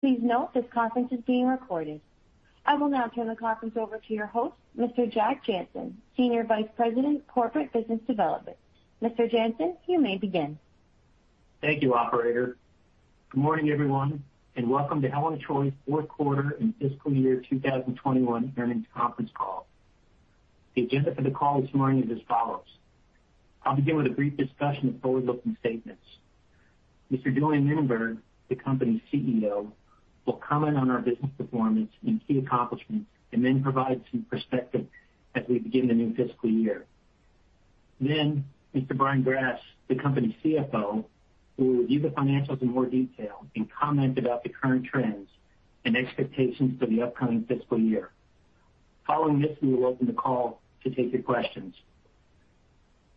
Please note this conference is being recorded. I will now turn the conference over to your host, Mr. Jack Jancin, Senior Vice President, Corporate Business Development. Mr. Jancin, you may begin. Thank you, operator. Good morning, everyone, and welcome to Helen of Troy's fourth quarter and fiscal year 2021 earnings conference call. The agenda for the call this morning is as follows. I'll begin with a brief discussion of forward-looking statements. Mr. Julien Mininberg, the company's CEO, will comment on our business performance and key accomplishments and then provide some perspective as we begin the new fiscal year. Mr. Brian Grass, the company's CFO, will review the financials in more detail and comment about the current trends and expectations for the upcoming fiscal year. Following this, we will open the call to take your questions.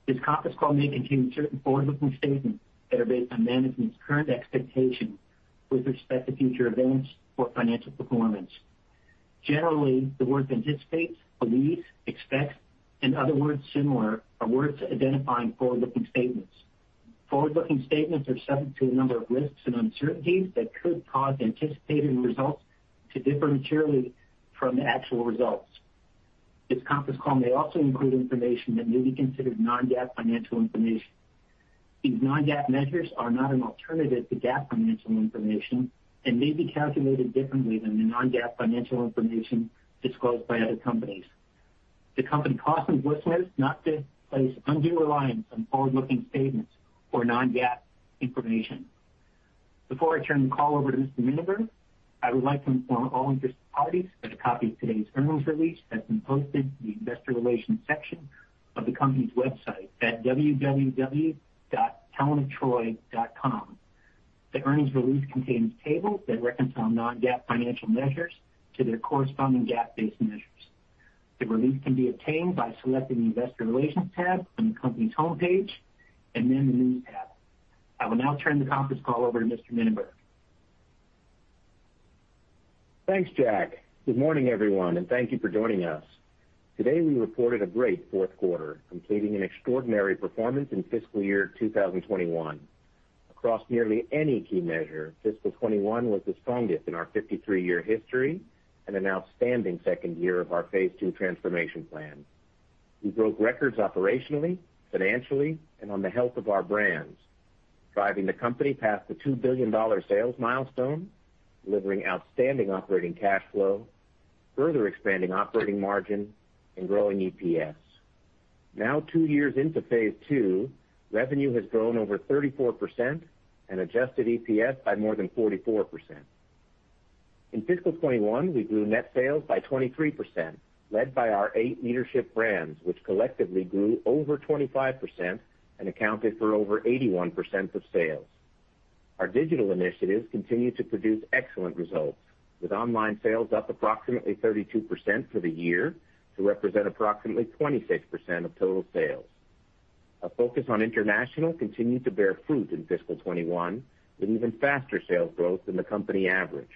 This conference call may contain certain forward-looking statements that are based on management's current expectations with respect to future events or financial performance. Generally, the words "anticipate," "believe," "expect," and other words similar are words identifying forward-looking statements. Forward-looking statements are subject to a number of risks and uncertainties that could cause anticipated results to differ materially from actual results. This conference call may also include information that may be considered non-GAAP financial information. These non-GAAP measures are not an alternative to GAAP financial information and may be calculated differently than the non-GAAP financial information disclosed by other companies. The company cautions listeners not to place undue reliance on forward-looking statements or non-GAAP information. Before I turn the call over to Mr. Mininberg, I would like to inform all interested parties that a copy of today's earnings release has been posted in the investor relations section of the company's website at www.helenoftroy.com. The earnings release contains tables that reconcile non-GAAP financial measures to their corresponding GAAP-based measures. The release can be obtained by selecting the investor relations tab on the company's homepage and then the news tab. I will now turn the conference call over to Mr. Mininberg. Thanks, Jack. Good morning, everyone, and thank you for joining us. Today, we reported a great fourth quarter, completing an extraordinary performance in fiscal year 2021. Across nearly any key measure, fiscal 2021 was the strongest in our 53-year history and an outstanding second year of our Phase Two transformation plan. We broke records operationally, financially, and on the health of our brands, driving the company past the $2 billion sales milestone, delivering outstanding operating cash flow, further expanding operating margin, and growing EPS. Now, two years into Phase Two, revenue has grown over 34% and adjusted EPS by more than 44%. In fiscal 2021, we grew net sales by 23%, led by our eight leadership brands, which collectively grew over 25% and accounted for over 81% of sales. Our digital initiatives continue to produce excellent results, with online sales up approximately 32% for the year to represent approximately 26% of total sales. Our focus on international continued to bear fruit in fiscal 2021, with even faster sales growth than the company average.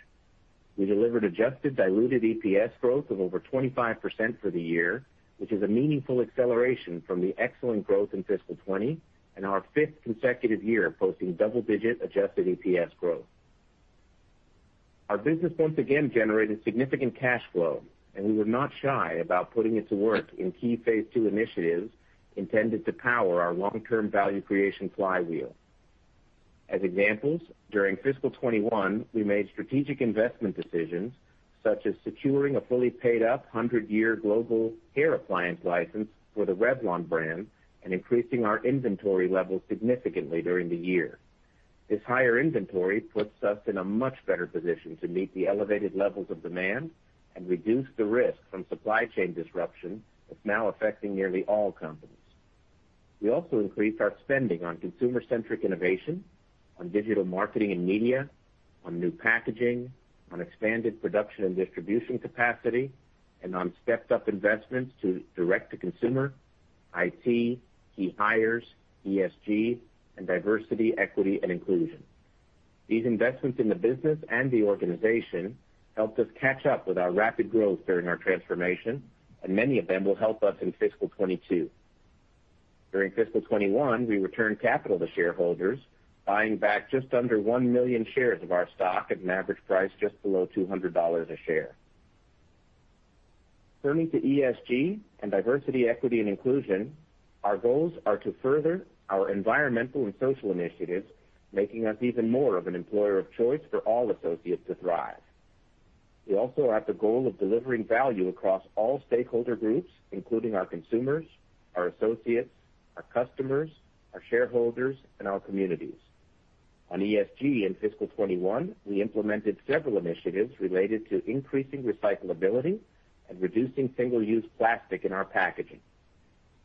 We delivered adjusted diluted EPS growth of over 25% for the year, which is a meaningful acceleration from the excellent growth in fiscal 2020 and our fifth consecutive year posting double-digit adjusted EPS growth. Our business once again generated significant cash flow, and we were not shy about putting it to work in key Phase Two initiatives intended to power our long-term value creation flywheel. As examples, during fiscal 2021, we made strategic investment decisions such as securing a fully paid-up 100-year global hair appliance license for the Revlon brand and increasing our inventory levels significantly during the year. This higher inventory puts us in a much better position to meet the elevated levels of demand and reduce the risk from supply chain disruption that's now affecting nearly all companies. We also increased our spending on consumer-centric innovation, on digital marketing and media, on new packaging, on expanded production and distribution capacity, and on stepped-up investments to direct-to-consumer, IT, key hires, ESG, and diversity, equity, and inclusion. These investments in the business and the organization helped us catch up with our rapid growth during our transformation, and many of them will help us in fiscal 2022. During fiscal 2021, we returned capital to shareholders, buying back just under 1 million shares of our stock at an average price just below $200 a share. Turning to ESG and diversity, equity, and inclusion, our goals are to further our environmental and social initiatives, making us even more of an employer of choice for all associates to thrive. We also have the goal of delivering value across all stakeholder groups, including our consumers, our associates, our customers, our shareholders, and our communities. On ESG in fiscal 2021, we implemented several initiatives related to increasing recyclability and reducing single-use plastic in our packaging.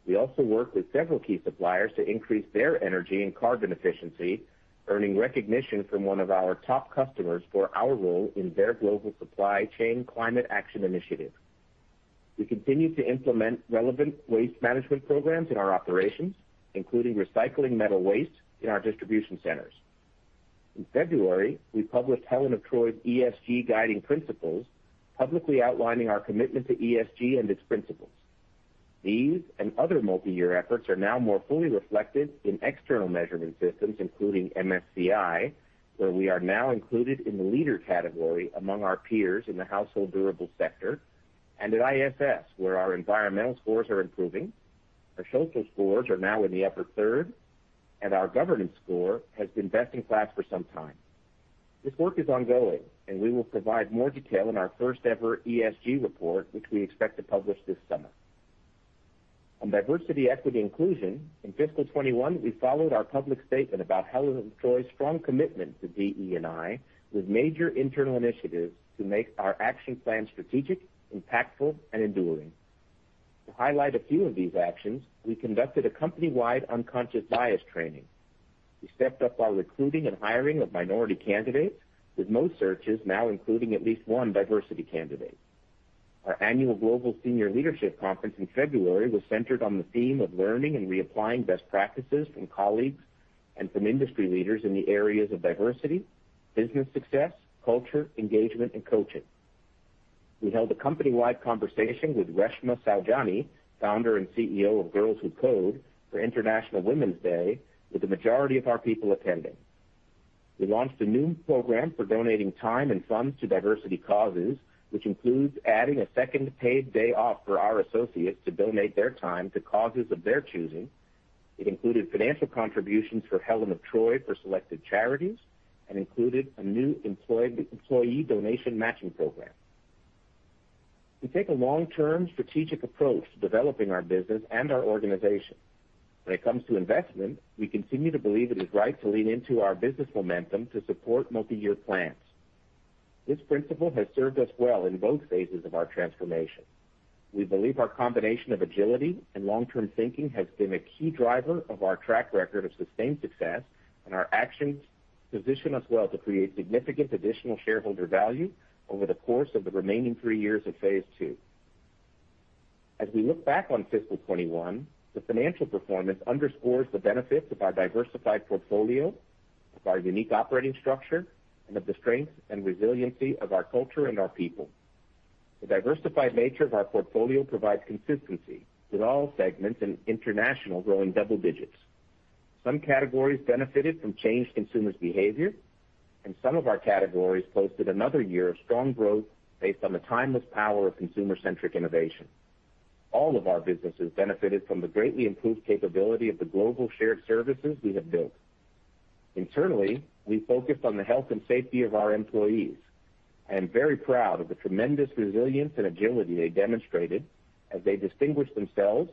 We also worked with several key suppliers to increase their energy and carbon efficiency, earning recognition from one of our top customers for our role in their global supply chain climate action initiative. We continue to implement relevant waste management programs in our operations, including recycling metal waste in our distribution centers. In February, we published Helen of Troy's ESG Guiding Principles, publicly outlining our commitment to ESG and its principles. These and other multi-year efforts are now more fully reflected in external measurement systems, including MSCI, where we are now included in the leader category among our peers in the household durable sector, and at ISS, where our environmental scores are improving. Our social scores are now in the upper third. Our governance score has been best-in-class for some time. This work is ongoing. We will provide more detail in our first-ever ESG report, which we expect to publish this summer. On diversity, equity, inclusion, in fiscal 2021, we followed our public statement about Helen of Troy's strong commitment to DE&I with major internal initiatives to make our action plan strategic, impactful, and enduring. To highlight a few of these actions, we conducted a company-wide unconscious bias training. We stepped up our recruiting and hiring of minority candidates, with most searches now including at least one diversity candidate. Our annual global senior leadership conference in February was centered on the theme of learning and reapplying best practices from colleagues and from industry leaders in the areas of diversity, business success, culture, engagement, and coaching. We held a company-wide conversation with Reshma Saujani, founder, and CEO of Girls Who Code, for International Women's Day, with the majority of our people attending. We launched a new program for donating time and funds to diversity causes, which includes adding a second paid day off for our associates to donate their time to causes of their choosing. It included financial contributions for Helen of Troy for selected charities and included a new employee donation matching program. We take a long-term strategic approach to developing our business and our organization. When it comes to investment, we continue to believe it is right to lean into our business momentum to support multi-year plans. This principle has served us well in both phases of our transformation. We believe our combination of agility and long-term thinking has been a key driver of our track record of sustained success, and our actions position us well to create significant additional shareholder value over the course of the remaining three years of phase two. As we look back on fiscal 2021, the financial performance underscores the benefits of our diversified portfolio, of our unique operating structure, and of the strength and resiliency of our culture and our people. The diversified nature of our portfolio provides consistency, with all segments and international growing double digits. Some categories benefited from changed consumers' behavior. Some of our categories posted another year of strong growth based on the timeless power of consumer-centric innovation. All of our businesses benefited from the greatly improved capability of the global shared services we have built. Internally, we focused on the health and safety of our employees. I am very proud of the tremendous resilience and agility they demonstrated as they distinguished themselves,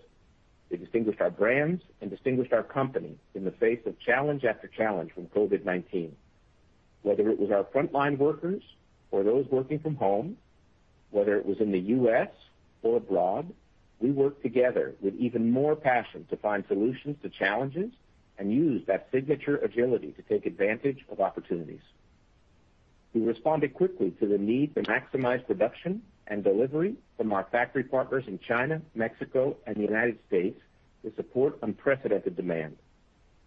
distinguished our brands, and distinguished our company in the face of challenge after challenge from COVID-19. Whether it was our frontline workers or those working from home, whether it was in the U.S. or abroad, we worked together with even more passion to find solutions to challenges and use that signature agility to take advantage of opportunities. We responded quickly to the need to maximize production and delivery from our factory partners in China, Mexico, and the United States to support unprecedented demand.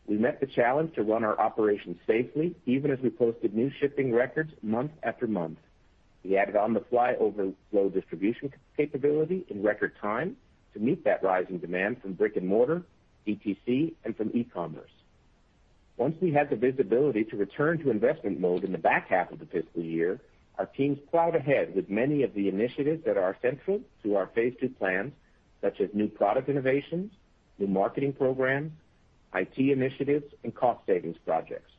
We met the challenge to run our operations safely, even as we posted new shipping records month after month. We added on-the-fly overflow distribution capability in record time to meet that rising demand from brick and mortar, DTC, and from e-commerce. Once we had the visibility to return to investment mode in the back half of the fiscal year, our teams plowed ahead with many of the initiatives that are central to our phase two plans, such as new product innovations, new marketing programs, IT initiatives, and cost savings projects.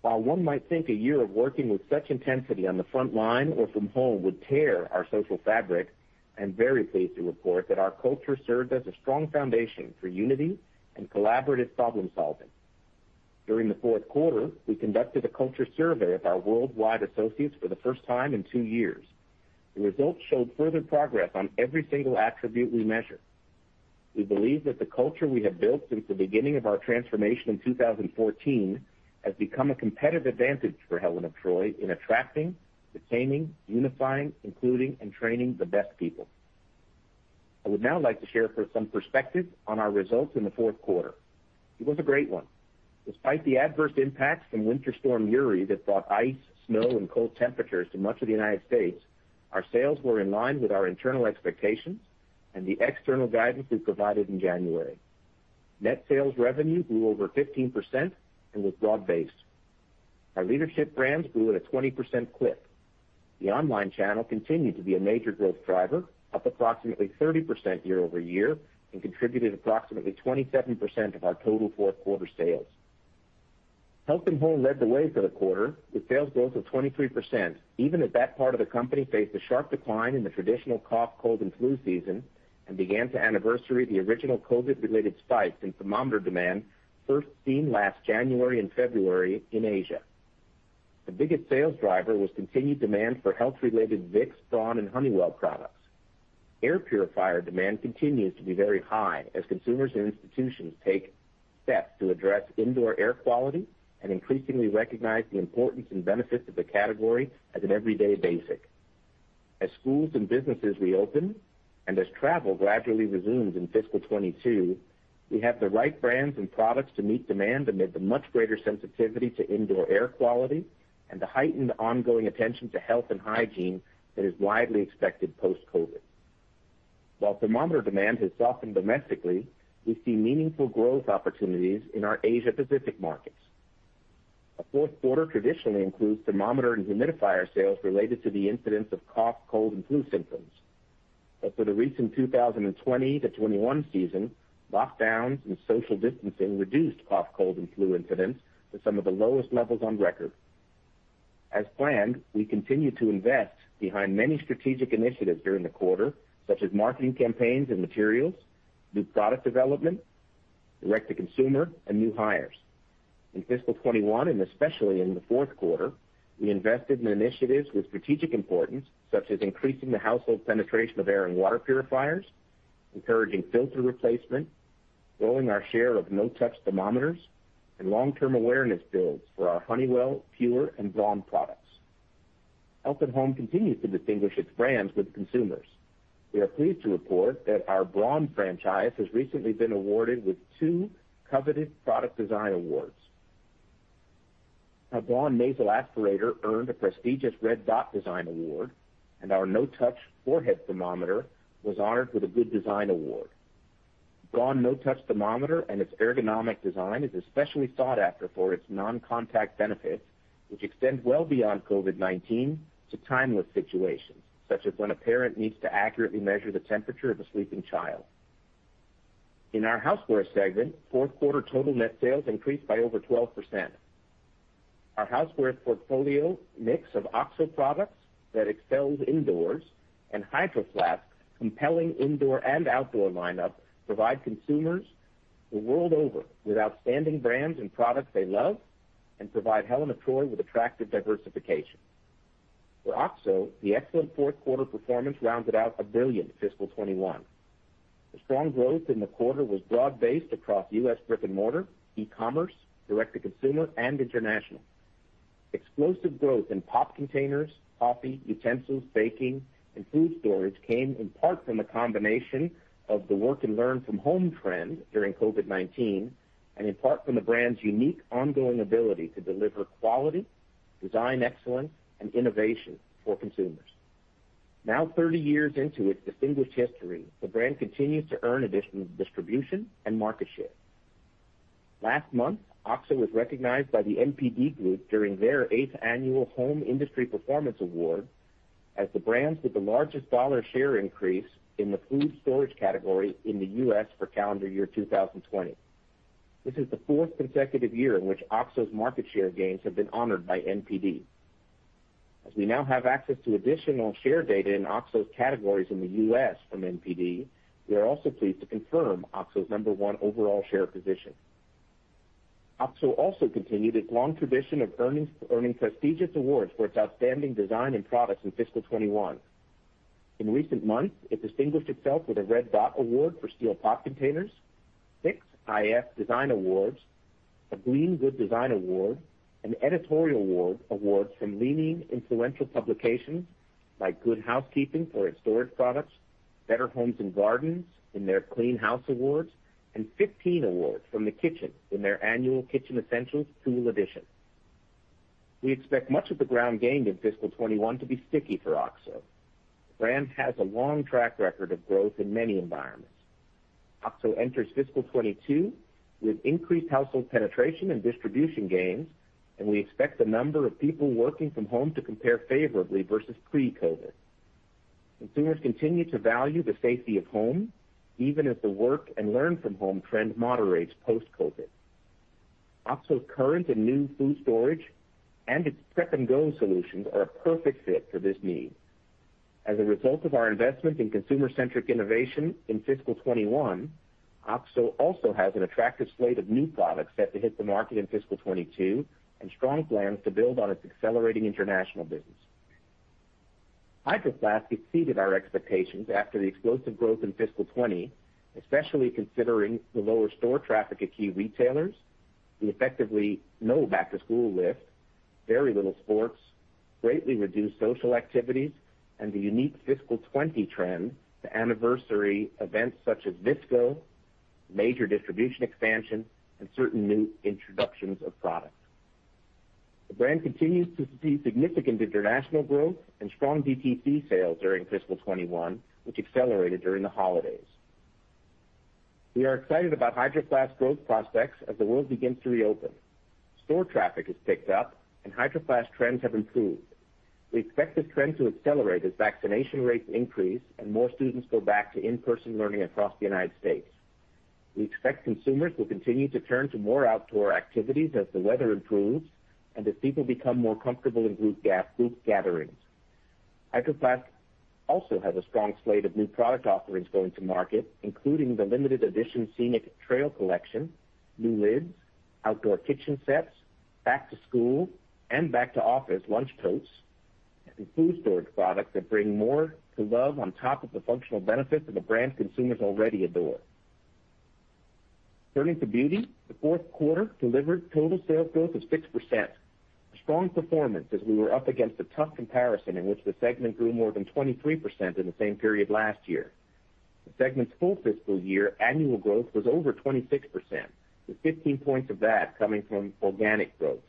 While one might think a year of working with such intensity on the front line or from home would tear our social fabric, I'm very pleased to report that our culture served as a strong foundation for unity and collaborative problem-solving. During the fourth quarter, we conducted a culture survey of our worldwide associates for the first time in two years. The results showed further progress on every single attribute we measured. We believe that the culture we have built since the beginning of our transformation in 2014 has become a competitive advantage for Helen of Troy in attracting, retaining, unifying, including, and training the best people. I would now like to share some perspective on our results in the fourth quarter. It was a great one. Despite the adverse impacts from Winter Storm Uri that brought ice, snow, and cold temperatures to much of the United States, our sales were in line with our internal expectations and the external guidance we provided in January. Net sales revenue grew over 15% and was broad-based. Our leadership brands grew at a 20% clip. The online channel continued to be a major growth driver, up approximately 30% year-over-year, and contributed approximately 27% of our total fourth quarter sales. Health & Home led the way for the quarter with sales growth of 23%, even as that part of the company faced a sharp decline in the traditional cough, cold, and flu season and began to anniversary the original COVID-related spike in thermometer demand first seen last January and February in Asia. The biggest sales driver was continued demand for health-related Vicks, Thera, and Honeywell products. Air purifier demand continues to be very high as consumers and institutions take steps to address indoor air quality and increasingly recognize the importance and benefits of the category as an everyday basic. As schools and businesses reopen, and as travel gradually resumes in fiscal 2022, we have the right brands and products to meet demand amid the much greater sensitivity to indoor air quality and the heightened ongoing attention to health and hygiene that is widely expected post-COVID. While thermometer demand has softened domestically, we see meaningful growth opportunities in our Asia Pacific markets. A fourth quarter traditionally includes thermometer and humidifier sales related to the incidence of cough, cold, and flu symptoms. For the recent 2020 to 2021 season, lockdowns and social distancing reduced cough, cold, and flu incidents to some of the lowest levels on record. As planned, we continue to invest behind many strategic initiatives during the quarter, such as marketing campaigns and materials, new product development, direct-to-consumer, and new hires. In fiscal 2021, and especially in the fourth quarter, we invested in initiatives with strategic importance, such as increasing the household penetration of air and water purifiers, encouraging filter replacement, growing our share of no-touch thermometers, and long-term awareness builds for our Honeywell, PUR, and Braun products. Health & Home continues to distinguish its brands with consumers. We are pleased to report that our Braun franchise has recently been awarded with two coveted product design awards. Our Braun nasal aspirator earned a prestigious Red Dot Design Award, and our no-touch forehead thermometer was honored with a GOOD DESIGN Award. Braun no-touch thermometer and its ergonomic design is especially sought after for its non-contact benefits, which extend well beyond COVID-19 to timeless situations, such as when a parent needs to accurately measure the temperature of a sleeping child. In our Houseware segment, fourth quarter total net sales increased by over 12%. Our Houseware portfolio mix of OXO products that excels indoors, and Hydro Flask compelling indoor and outdoor lineup provide consumers the world over with outstanding brands and products they love and provide Helen of Troy with attractive diversification. For OXO, the excellent fourth quarter performance rounded out a brilliant fiscal 2021. The strong growth in the quarter was broad-based across U.S. brick and mortar, e-commerce, direct-to-consumer, and international. Explosive growth in POP Containers, coffee, utensils, baking, and food storage came in part from a combination of the work and learn from home trend during COVID-19, and in part from the brand's unique ongoing ability to deliver quality, design excellence, and innovation for consumers. Now 30 years into its distinguished history, the brand continues to earn additional distribution and market share. Last month, OXO was recognized by The NPD Group during their eighth annual Home Industry Performance Awards as the brands with the largest dollar share increase in the food storage category in the U.S. for calendar year 2020. This is the fourth consecutive year in which OXO's market share gains have been honored by NPD. As we now have access to additional share data in OXO's categories in the U.S. from NPD, we are also pleased to confirm OXO's number one overall share position. OXO also continued its long tradition of earning prestigious awards for its outstanding design and products in fiscal 2021. In recent months, it distinguished itself with a Red Dot Award for Steel POP Containers, six iF DESIGN Awards, a Green Good Design Award, and editorial awards from leading influential publications like Good Housekeeping for its storage products, Better Homes & Gardens in their Clean House Awards, and 15 awards from The Kitchn in their annual Kitchen Essentials Tool Edition. We expect much of the ground gained in fiscal 2021 to be sticky for OXO. The brand has a long track record of growth in many environments. OXO enters fiscal 2022 with increased household penetration and distribution gains, and we expect the number of people working from home to compare favorably versus pre-COVID. Consumers continue to value the safety of home, even as the work and learn from home trend moderates post-COVID. OXO's current and new food storage and its Prep & Go solutions are a perfect fit for this need. As a result of our investment in consumer-centric innovation in fiscal 2021, OXO also has an attractive slate of new products set to hit the market in fiscal 2022 and strong plans to build on its accelerating international business. Hydro Flask exceeded our expectations after the explosive growth in fiscal 2020, especially considering the lower store traffic at key retailers, the effectively no back-to-school list, very little sports, greatly reduced social activities, and the unique fiscal 2020 trend to anniversary events such as VSCO, major distribution expansion, and certain new introductions of products. The brand continues to see significant international growth and strong DTC sales during fiscal 2021, which accelerated during the holidays. We are excited about Hydro Flask growth prospects as the world begins to reopen. Store traffic has picked up, and Hydro Flask trends have improved. We expect this trend to accelerate as vaccination rates increase and more students go back to in-person learning across the U.S. We expect consumers will continue to turn to more outdoor activities as the weather improves and as people become more comfortable in group gatherings. Hydro Flask also has a strong slate of new product offerings going to market, including the limited edition Scenic Trails Collection, new lids, outdoor kitchen sets, back to school and back to office lunch totes, and food storage products that bring more to love on top of the functional benefits that the brand consumers already adore. Turning to Beauty, the fourth quarter delivered total sales growth of 6%. A strong performance as we were up against a tough comparison in which the segment grew more than 23% in the same period last year. The segment's full fiscal year annual growth was over 26%, with 15 points of that coming from organic growth.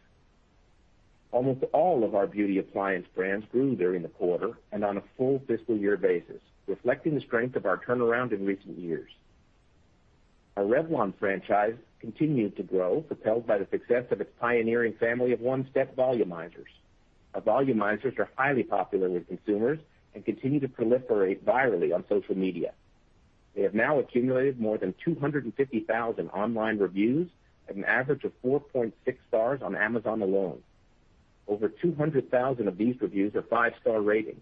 Almost all of our beauty appliance brands grew during the quarter and on a full fiscal year basis, reflecting the strength of our turnaround in recent years. Our Revlon franchise continued to grow, propelled by the success of its pioneering family of One-Step Volumizers. Our volumizers are highly popular with consumers and continue to proliferate virally on social media. They have now accumulated more than 250,000 online reviews at an average of 4.6 stars on Amazon alone. Over 200,000 of these reviews are five-star ratings.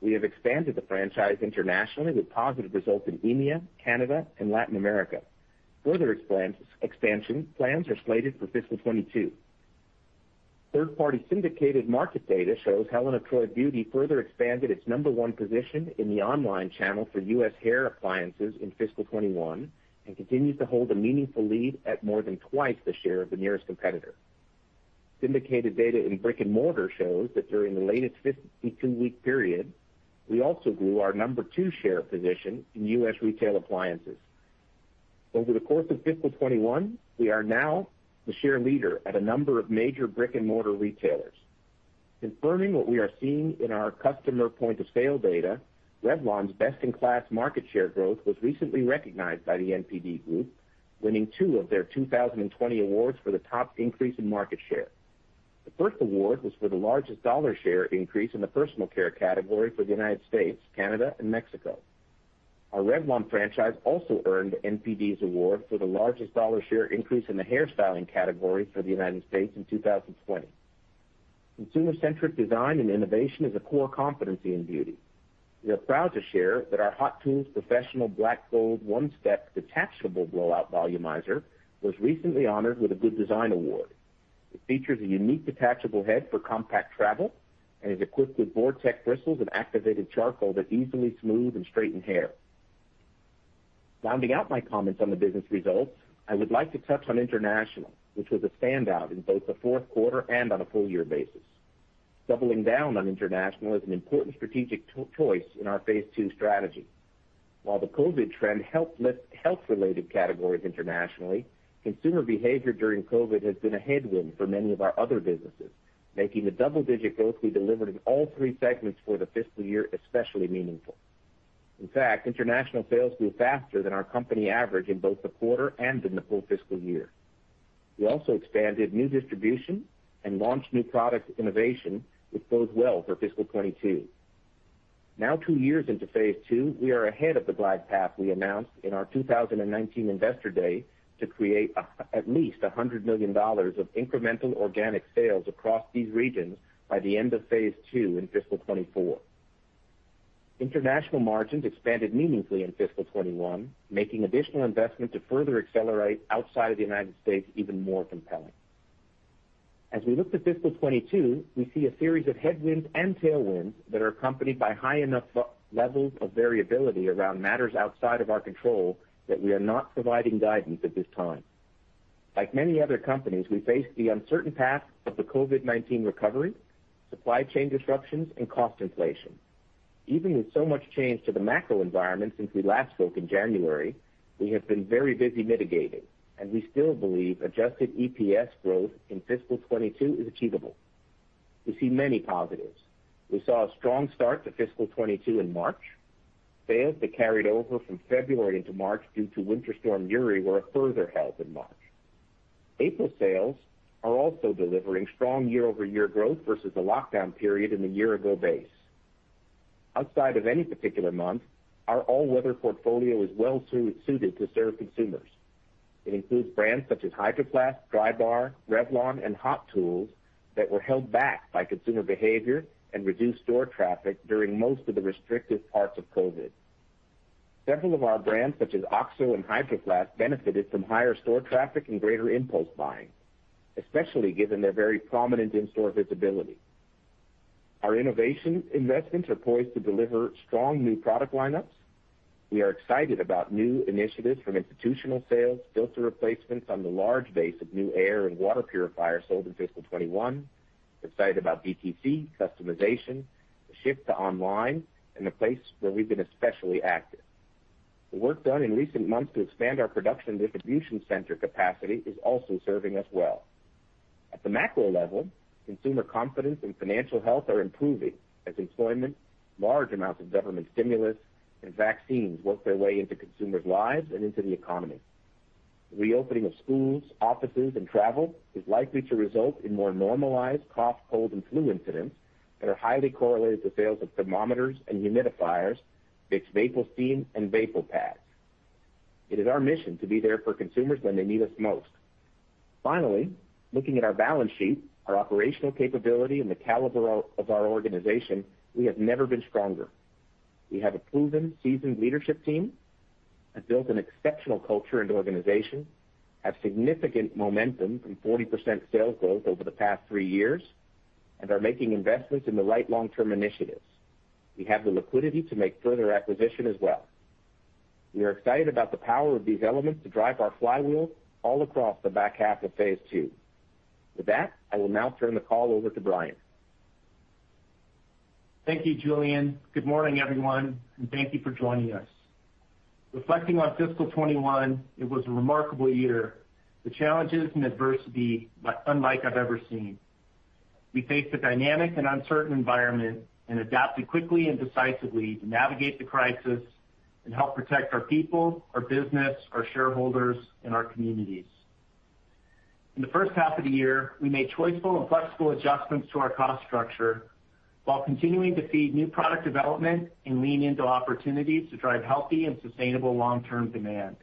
We have expanded the franchise internationally with positive results in EMEA, Canada, and Latin America. Further expansion plans are slated for fiscal 2022. Third-party syndicated market data shows Helen of Troy Beauty further expanded its number one position in the online channel for U.S. hair appliances in fiscal 2021 and continues to hold a meaningful lead at more than twice the share of the nearest competitor. Syndicated data in brick and mortar shows that during the latest 52-week period, we also grew our number two share position in U.S. retail appliances. Over the course of fiscal 2021, we are now the share leader at a number of major brick and mortar retailers. Confirming what we are seeing in our customer point of sale data, Revlon's best-in-class market share growth was recently recognized by The NPD Group, winning two of their 2020 awards for the top increase in market share. The first award was for the largest dollar share increase in the personal care category for the United States, Canada, and Mexico. Our Revlon franchise also earned NPD's award for the largest dollar share increase in the hairstyling category for the United States in 2020. Consumer-centric design and innovation is a core competency in beauty. We are proud to share that our Hot Tools Professional Black Gold One-Step Detachable Blowout Volumizer was recently honored with a GOOD DESIGN Award. It features a unique detachable head for compact travel and is equipped with vortex bristles and activated charcoal that easily smooth and straighten hair. Rounding out my comments on the business results, I would like to touch on international, which was a standout in both the fourth quarter and on a full year basis. Doubling down on international is an important strategic choice in our phase two strategy. While the COVID trend helped lift health-related categories internationally, consumer behavior during COVID has been a headwind for many of our other businesses, making the double-digit growth we delivered in all three segments for the fiscal year especially meaningful. In fact, international sales grew faster than our company average in both the quarter and in the full fiscal year. We also expanded new distribution and launched new product innovation, which bodes well for fiscal 2022. Now two years into phase two, we are ahead of the glide path we announced in our 2019 Investor Day to create at least $100 million of incremental organic sales across these regions by the end of phase two in fiscal 2024. International margins expanded meaningfully in fiscal 2021, making additional investment to further accelerate outside of the United States even more compelling. As we look to fiscal 2022, we see a series of headwinds and tailwinds that are accompanied by high enough levels of variability around matters outside of our control that we are not providing guidance at this time. Like many other companies, we face the uncertain path of the COVID-19 recovery, supply chain disruptions, and cost inflation. Even with so much change to the macro environment since we last spoke in January, we have been very busy mitigating, and we still believe adjusted EPS growth in fiscal 2022 is achievable. We see many positives. We saw a strong start to fiscal 2022 in March. Sales that carried over from February into March due to Winter Storm Uri were a further help in March. April sales are also delivering strong year-over-year growth versus the lockdown period in the year-ago base. Outside of any particular month, our all-weather portfolio is well suited to serve consumers. It includes brands such as Hydro Flask, Drybar, Revlon, and Hot Tools that were held back by consumer behavior and reduced store traffic during most of the restrictive parts of COVID. Several of our brands, such as OXO and Hydro Flask, benefited from higher store traffic and greater impulse buying, especially given their very prominent in-store visibility. Our innovation investments are poised to deliver strong new product lineups. We are excited about new initiatives from institutional sales, filter replacements on the large base of new air and water purifiers sold in fiscal 2021, excited about DTC customization, the shift to online, and the place where we've been especially active. The work done in recent months to expand our production distribution center capacity is also serving us well. At the macro level, consumer confidence and financial health are improving as employment, large amounts of government stimulus, and vaccines work their way into consumers' lives and into the economy. The reopening of schools, offices, and travel is likely to result in more normalized cough, cold, and flu incidents that are highly correlated to sales of thermometers and humidifiers, Vicks VapoSteam, and VapoPads. It is our mission to be there for consumers when they need us most. Finally, looking at our balance sheet, our operational capability, and the caliber of our organization, we have never been stronger. We have a proven, seasoned leadership team, have built an exceptional culture and organization, have significant momentum from 40% sales growth over the past three years, and are making investments in the right long-term initiatives. We have the liquidity to make further acquisition as well. We are excited about the power of these elements to drive our flywheel all across the back half of phase two. With that, I will now turn the call over to Brian. Thank you, Julien. Good morning, everyone, and thank you for joining us. Reflecting on fiscal 2021, it was a remarkable year, with challenges and adversity unlike I've ever seen. We faced a dynamic and uncertain environment and adapted quickly and decisively to navigate the crisis and help protect our people, our business, our shareholders, and our communities. In the first half of the year, we made choiceful and flexible adjustments to our cost structure while continuing to seed new product development and lean into opportunities to drive healthy and sustainable long-term demand.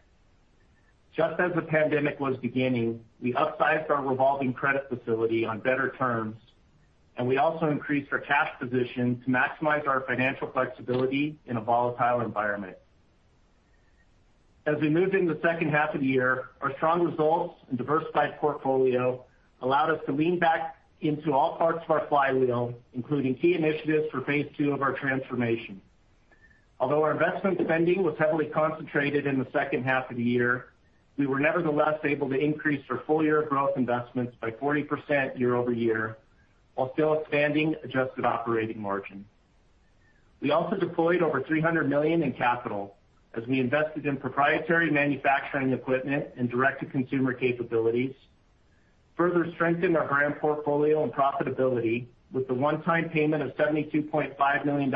Just as the pandemic was beginning, we upsized our revolving credit facility on better terms, and we also increased our cash position to maximize our financial flexibility in a volatile environment. As we moved into the second half of the year, our strong results and diversified portfolio allowed us to lean back into all parts of our flywheel, including key initiatives for phase two of our transformation. Although our investment spending was heavily concentrated in the second half of the year, we were nevertheless able to increase our full-year growth investments by 40% year-over-year while still expanding adjusted operating margin. We also deployed over $300 million in capital as we invested in proprietary manufacturing equipment and direct-to-consumer capabilities, further strengthened our brand portfolio and profitability with the one-time payment of $72.5 million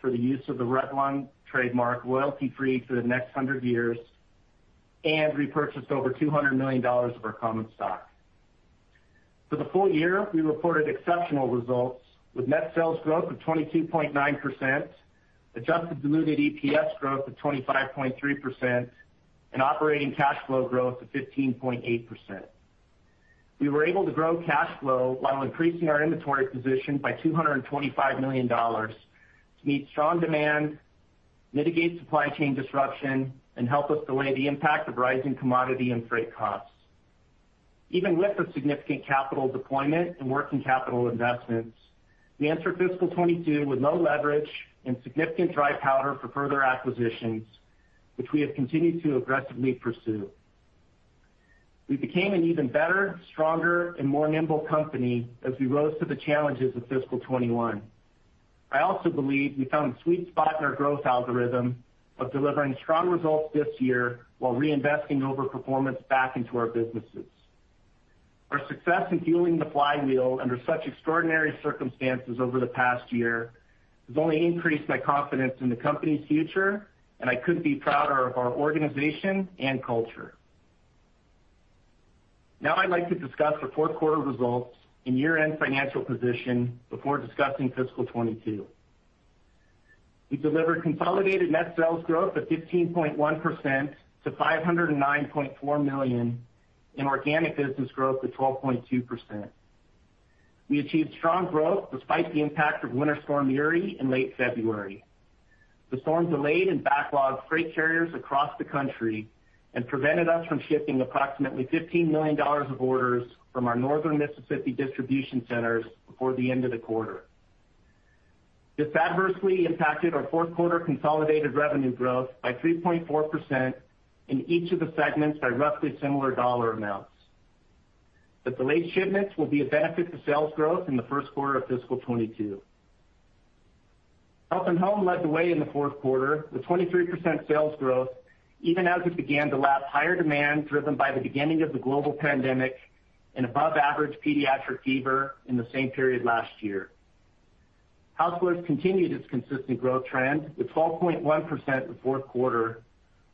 for the use of the Revlon trademark royalty-free for the next 100 years, and repurchased over $200 million of our common stock. For the full year, we reported exceptional results with net sales growth of 22.9%, adjusted diluted EPS growth of 25.3%, and operating cash flow growth of 15.8%. We were able to grow cash flow while increasing our inventory position by $225 million to meet strong demand, mitigate supply chain disruption, and help us delay the impact of rising commodity and freight costs. Even with the significant capital deployment and working capital investments, we entered fiscal 2022 with low leverage and significant dry powder for further acquisitions, which we have continued to aggressively pursue. We became an even better, stronger, and more nimble company as we rose to the challenges of fiscal 2021. I also believe we found the sweet spot in our growth algorithm of delivering strong results this year while reinvesting overperformance back into our businesses. Our success in fueling the flywheel under such extraordinary circumstances over the past year has only increased my confidence in the company's future, and I couldn't be prouder of our organization and culture. I'd like to discuss the fourth quarter results and year-end financial position before discussing fiscal 2022. We delivered consolidated net sales growth of 15.1% to $509.4 million, and organic business growth of 12.2%. We achieved strong growth despite the impact of Winter Storm Uri in late February. The storm delayed and backlogged freight carriers across the country and prevented us from shipping approximately $15 million of orders from our northern Mississippi distribution centers before the end of the quarter. This adversely impacted our fourth quarter consolidated revenue growth by 3.4% in each of the segments by roughly similar dollar amounts. The delayed shipments will be a benefit to sales growth in the first quarter of fiscal 2022. Health & Home led the way in the fourth quarter with 23% sales growth, even as we began to lap higher demand driven by the beginning of the global pandemic and above-average pediatric fever in the same period last year. Housewares continued its consistent growth trend with 12.1% in the fourth quarter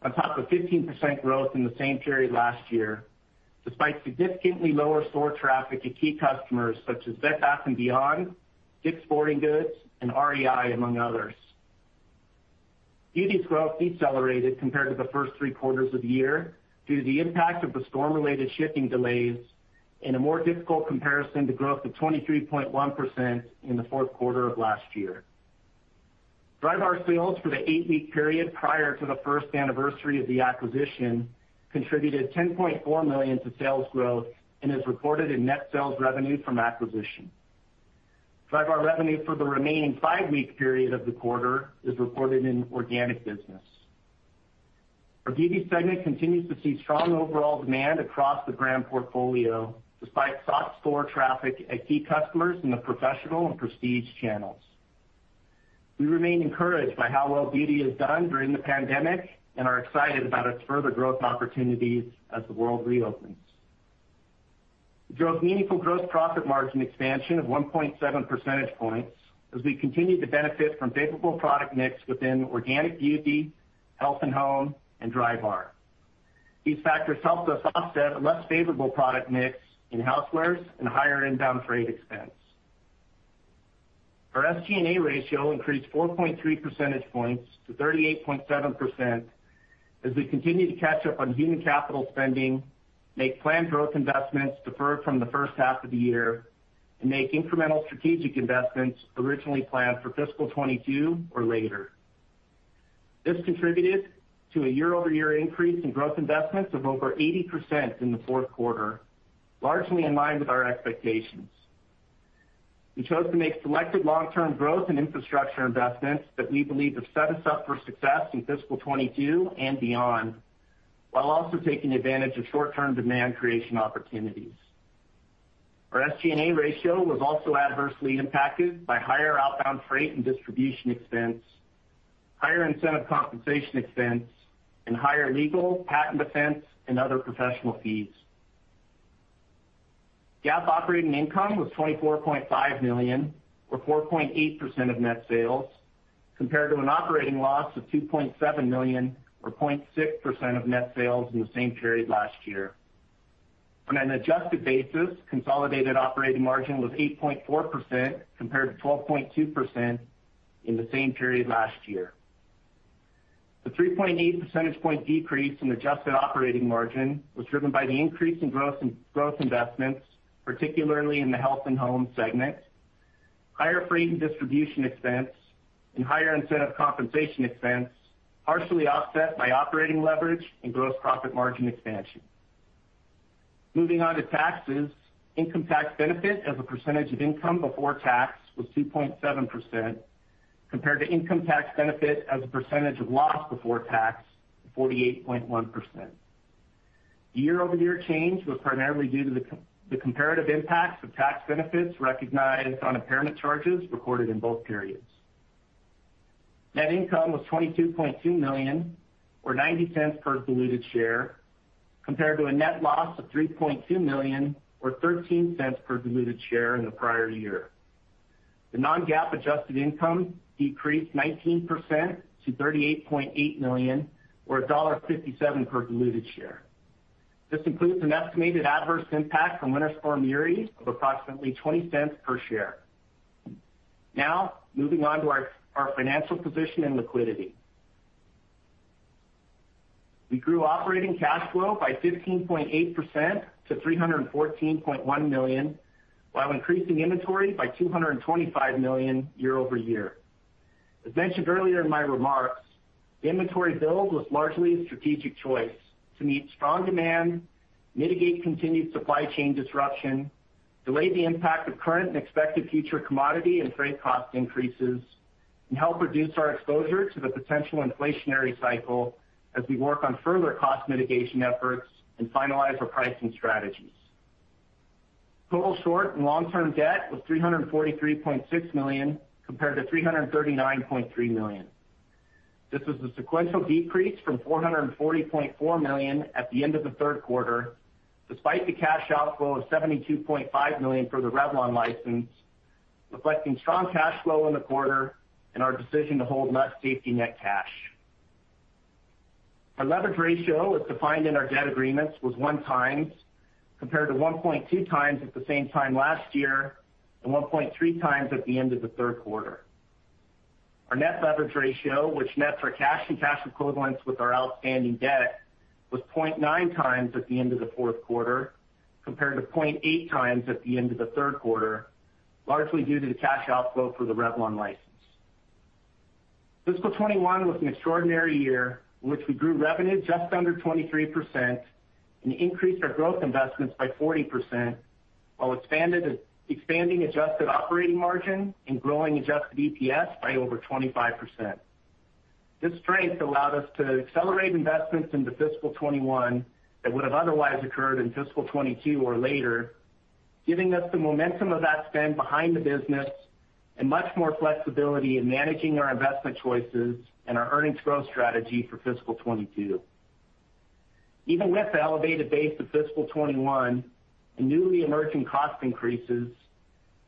on top of 15% growth in the same period last year, despite significantly lower store traffic at key customers such as Bed Bath & Beyond, DICK'S Sporting Goods, and REI, among others. Beauty's growth decelerated compared to the first three quarters of the year due to the impact of the storm-related shipping delays and a more difficult comparison to growth of 23.1% in the fourth quarter of last year. Drybar sales for the eight-week period prior to the first anniversary of the acquisition contributed $10.4 million to sales growth and is recorded in net sales revenue from acquisition. Drybar revenue for the remaining five-week period of the quarter is reported in organic business. Our Beauty segment continues to see strong overall demand across the brand portfolio, despite soft store traffic at key customers in the professional and prestige channels. We remain encouraged by how well Beauty has done during the pandemic and are excited about its further growth opportunities as the world reopens. We drove meaningful gross profit margin expansion of 1.7 percentage points as we continued to benefit from favorable product mix within organic Beauty, Health & Home, and Drybar. These factors helped us offset a less favorable product mix in housewares and higher inbound freight expense. Our SG&A ratio increased 4.3 percentage points to 38.7% as we continued to catch up on human capital spending, make planned growth investments deferred from the first half of the year, and make incremental strategic investments originally planned for fiscal 2022 or later. This contributed to a year-over-year increase in growth investments of over 80% in the fourth quarter, largely in line with our expectations. We chose to make selected long-term growth and infrastructure investments that we believe have set us up for success in fiscal 2022 and beyond, while also taking advantage of short-term demand creation opportunities. Our SG&A ratio was also adversely impacted by higher outbound freight and distribution expense, higher incentive compensation expense, and higher legal, patent defense, and other professional fees. GAAP operating income was $24.5 million or 4.8% of net sales, compared to an operating loss of $2.7 million or 0.6% of net sales in the same period last year. On an adjusted basis, consolidated operating margin was 8.4% compared to 12.2% in the same period last year. The 3.8 percentage point decrease in adjusted operating margin was driven by the increase in growth investments, particularly in the Health & Home segment, higher freight and distribution expense, and higher incentive compensation expense, partially offset by operating leverage and gross profit margin expansion. Moving on to taxes. Income tax benefit as a percentage of income before tax was 2.7%, compared to income tax benefit as a percentage of loss before tax of 48.1%. Year-over-year change was primarily due to the comparative impacts of tax benefits recognized on impairment charges recorded in both periods. Net income was $22.2 million or $0.90 per diluted share, compared to a net loss of $3.2 million or $0.13 per diluted share in the prior year. The non-GAAP adjusted income decreased 19% to $38.8 million or $1.57 per diluted share. This includes an estimated adverse impact from Winter Storm Uri of approximately $0.20 per share. Moving on to our financial position and liquidity. We grew operating cash flow by 15.8% to $314.1 million, while increasing inventory by $225 million year-over-year. As mentioned earlier in my remarks, the inventory build was largely a strategic choice to meet strong demand, mitigate continued supply chain disruption, delay the impact of current and expected future commodity and freight cost increases, and help reduce our exposure to the potential inflationary cycle as we work on further cost mitigation efforts and finalize our pricing strategies. Total short and long-term debt was $343.6 million compared to $339.3 million. This was a sequential decrease from $440.4 million at the end of the third quarter, despite the cash outflow of $72.5 million for the Revlon license, reflecting strong cash flow in the quarter and our decision to hold less safety net cash. Our leverage ratio, as defined in our debt agreements, was one times, compared to 1.2 times at the same time last year and 1.3 times at the end of the third quarter. Our net leverage ratio, which nets our cash and cash equivalents with our outstanding debt, was 0.9 times at the end of the fourth quarter, compared to 0.8 times at the end of the third quarter, largely due to the cash outflow for the Revlon license. Fiscal 2021 was an extraordinary year in which we grew revenue just under 23% and increased our growth investments by 40%, while expanding adjusted operating margin and growing adjusted EPS by over 25%. This strength allowed us to accelerate investments into fiscal 2021 that would have otherwise occurred in fiscal 2022 or later, giving us the momentum of that spend behind the business and much more flexibility in managing our investment choices and our earnings growth strategy for fiscal 2022. Even with the elevated base of fiscal 2021 and newly emerging cost increases,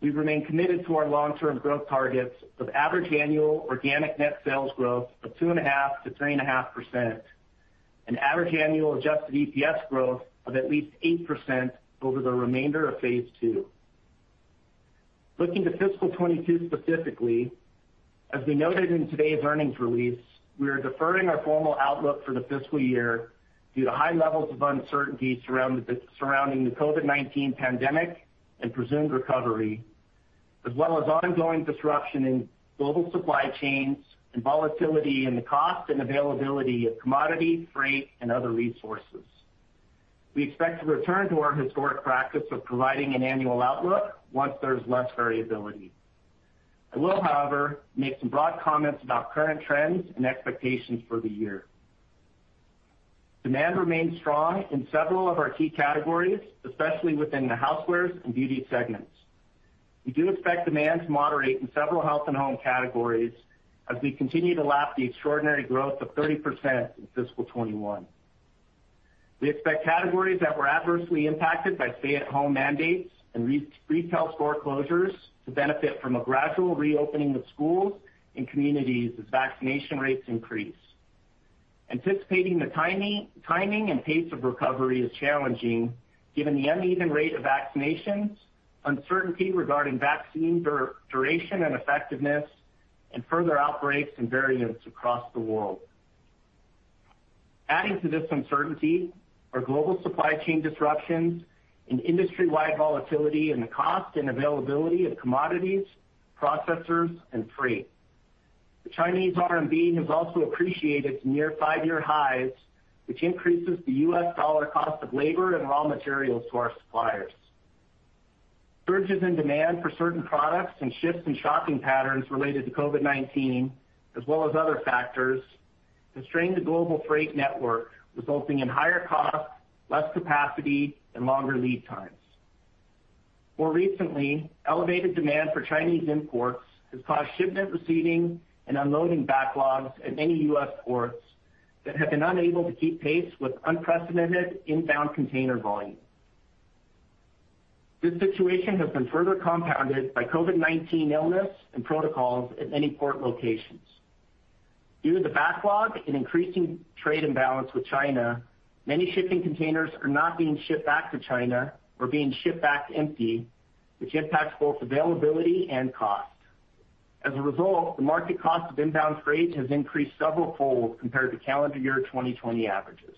we've remained committed to our long-term growth targets of average annual organic net sales growth of 2.5%-3.5% and average annual adjusted EPS growth of at least 8% over the remainder of phase two. Looking to fiscal 2022 specifically, as we noted in today's earnings release, we are deferring our formal outlook for the fiscal year due to high levels of uncertainty surrounding the COVID-19 pandemic and presumed recovery, as well as ongoing disruption in global supply chains and volatility in the cost and availability of commodity, freight, and other resources. We expect to return to our historic practice of providing an annual outlook once there's less variability. I will, however, make some broad comments about current trends and expectations for the year. Demand remains strong in several of our key categories, especially within the Housewares and Beauty segments. We do expect demand to moderate in several Health & Home categories as we continue to lap the extraordinary growth of 30% in fiscal 2021. We expect categories that were adversely impacted by stay-at-home mandates and retail store closures to benefit from a gradual reopening of schools and communities as vaccination rates increase. Anticipating the timing and pace of recovery is challenging given the uneven rate of vaccinations, uncertainty regarding vaccine duration and effectiveness, and further outbreaks and variants across the world. Adding to this uncertainty are global supply chain disruptions and industry-wide volatility in the cost and availability of commodities, processors, and freight. The Chinese RMB has also appreciated to near five-year highs, which increases the U.S. dollar cost of labor and raw materials to our suppliers. Surges in demand for certain products and shifts in shopping patterns related to COVID-19, as well as other factors, have strained the global freight network, resulting in higher costs, less capacity, and longer lead times. More recently, elevated demand for Chinese imports has caused shipment receiving and unloading backlogs at many U.S. ports that have been unable to keep pace with unprecedented inbound container volume. This situation has been further compounded by COVID-19 illness and protocols at many port locations. Due to the backlog and increasing trade imbalance with China, many shipping containers are not being shipped back to China or being shipped back empty, which impacts both availability and cost. As a result, the market cost of inbound freight has increased several folds compared to calendar year 2020 averages.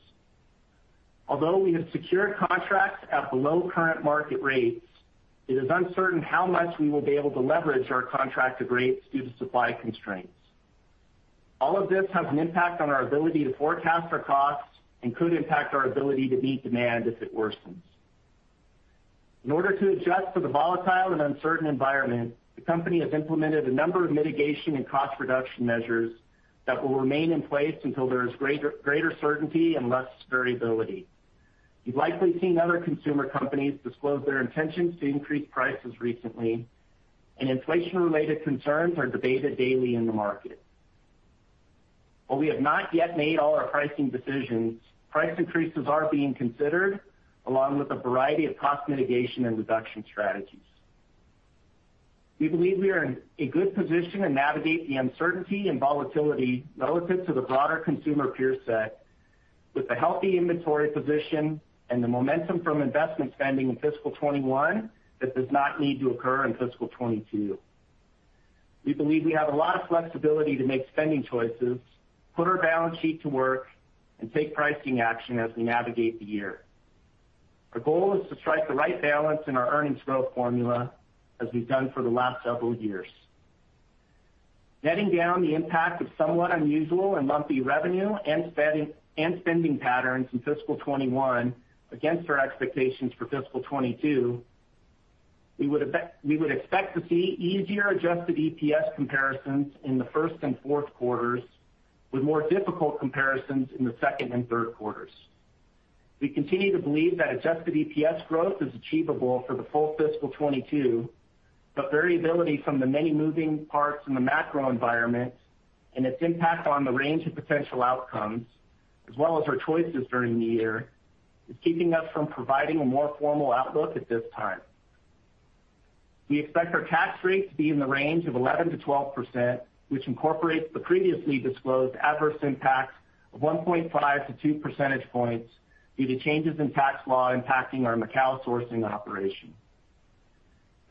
Although we have secured contracts at below current market rates, it is uncertain how much we will be able to leverage our contracted rates due to supply constraints. All of this has an impact on our ability to forecast for costs and could impact our ability to meet demand if it worsens. In order to adjust for the volatile and uncertain environment, the company has implemented a number of mitigation and cost reduction measures that will remain in place until there is greater certainty and less variability. You've likely seen other consumer companies disclose their intentions to increase prices recently, and inflation-related concerns are debated daily in the market. While we have not yet made all our pricing decisions, price increases are being considered along with a variety of cost mitigation and reduction strategies. We believe we are in a good position to navigate the uncertainty and volatility relative to the broader consumer peer set with a healthy inventory position and the momentum from investment spending in fiscal 2021 that does not need to occur in fiscal 2022. We believe we have a lot of flexibility to make spending choices, put our balance sheet to work, and take pricing action as we navigate the year. Our goal is to strike the right balance in our earnings growth formula as we've done for the last several years. Netting down the impact of somewhat unusual and lumpy revenue and spending patterns in fiscal 2021 against our expectations for fiscal 2022, we would expect to see easier adjusted EPS comparisons in the first and fourth quarters with more difficult comparisons in the second and third quarters. We continue to believe that adjusted EPS growth is achievable for the full fiscal 2022, variability from the many moving parts in the macro environment and its impact on the range of potential outcomes, as well as our choices during the year, is keeping us from providing a more formal outlook at this time. We expect our tax rate to be in the range of 11%-12%, which incorporates the previously disclosed adverse impact of 1.5% to 2% points due to changes in tax law impacting our Macau sourcing operation.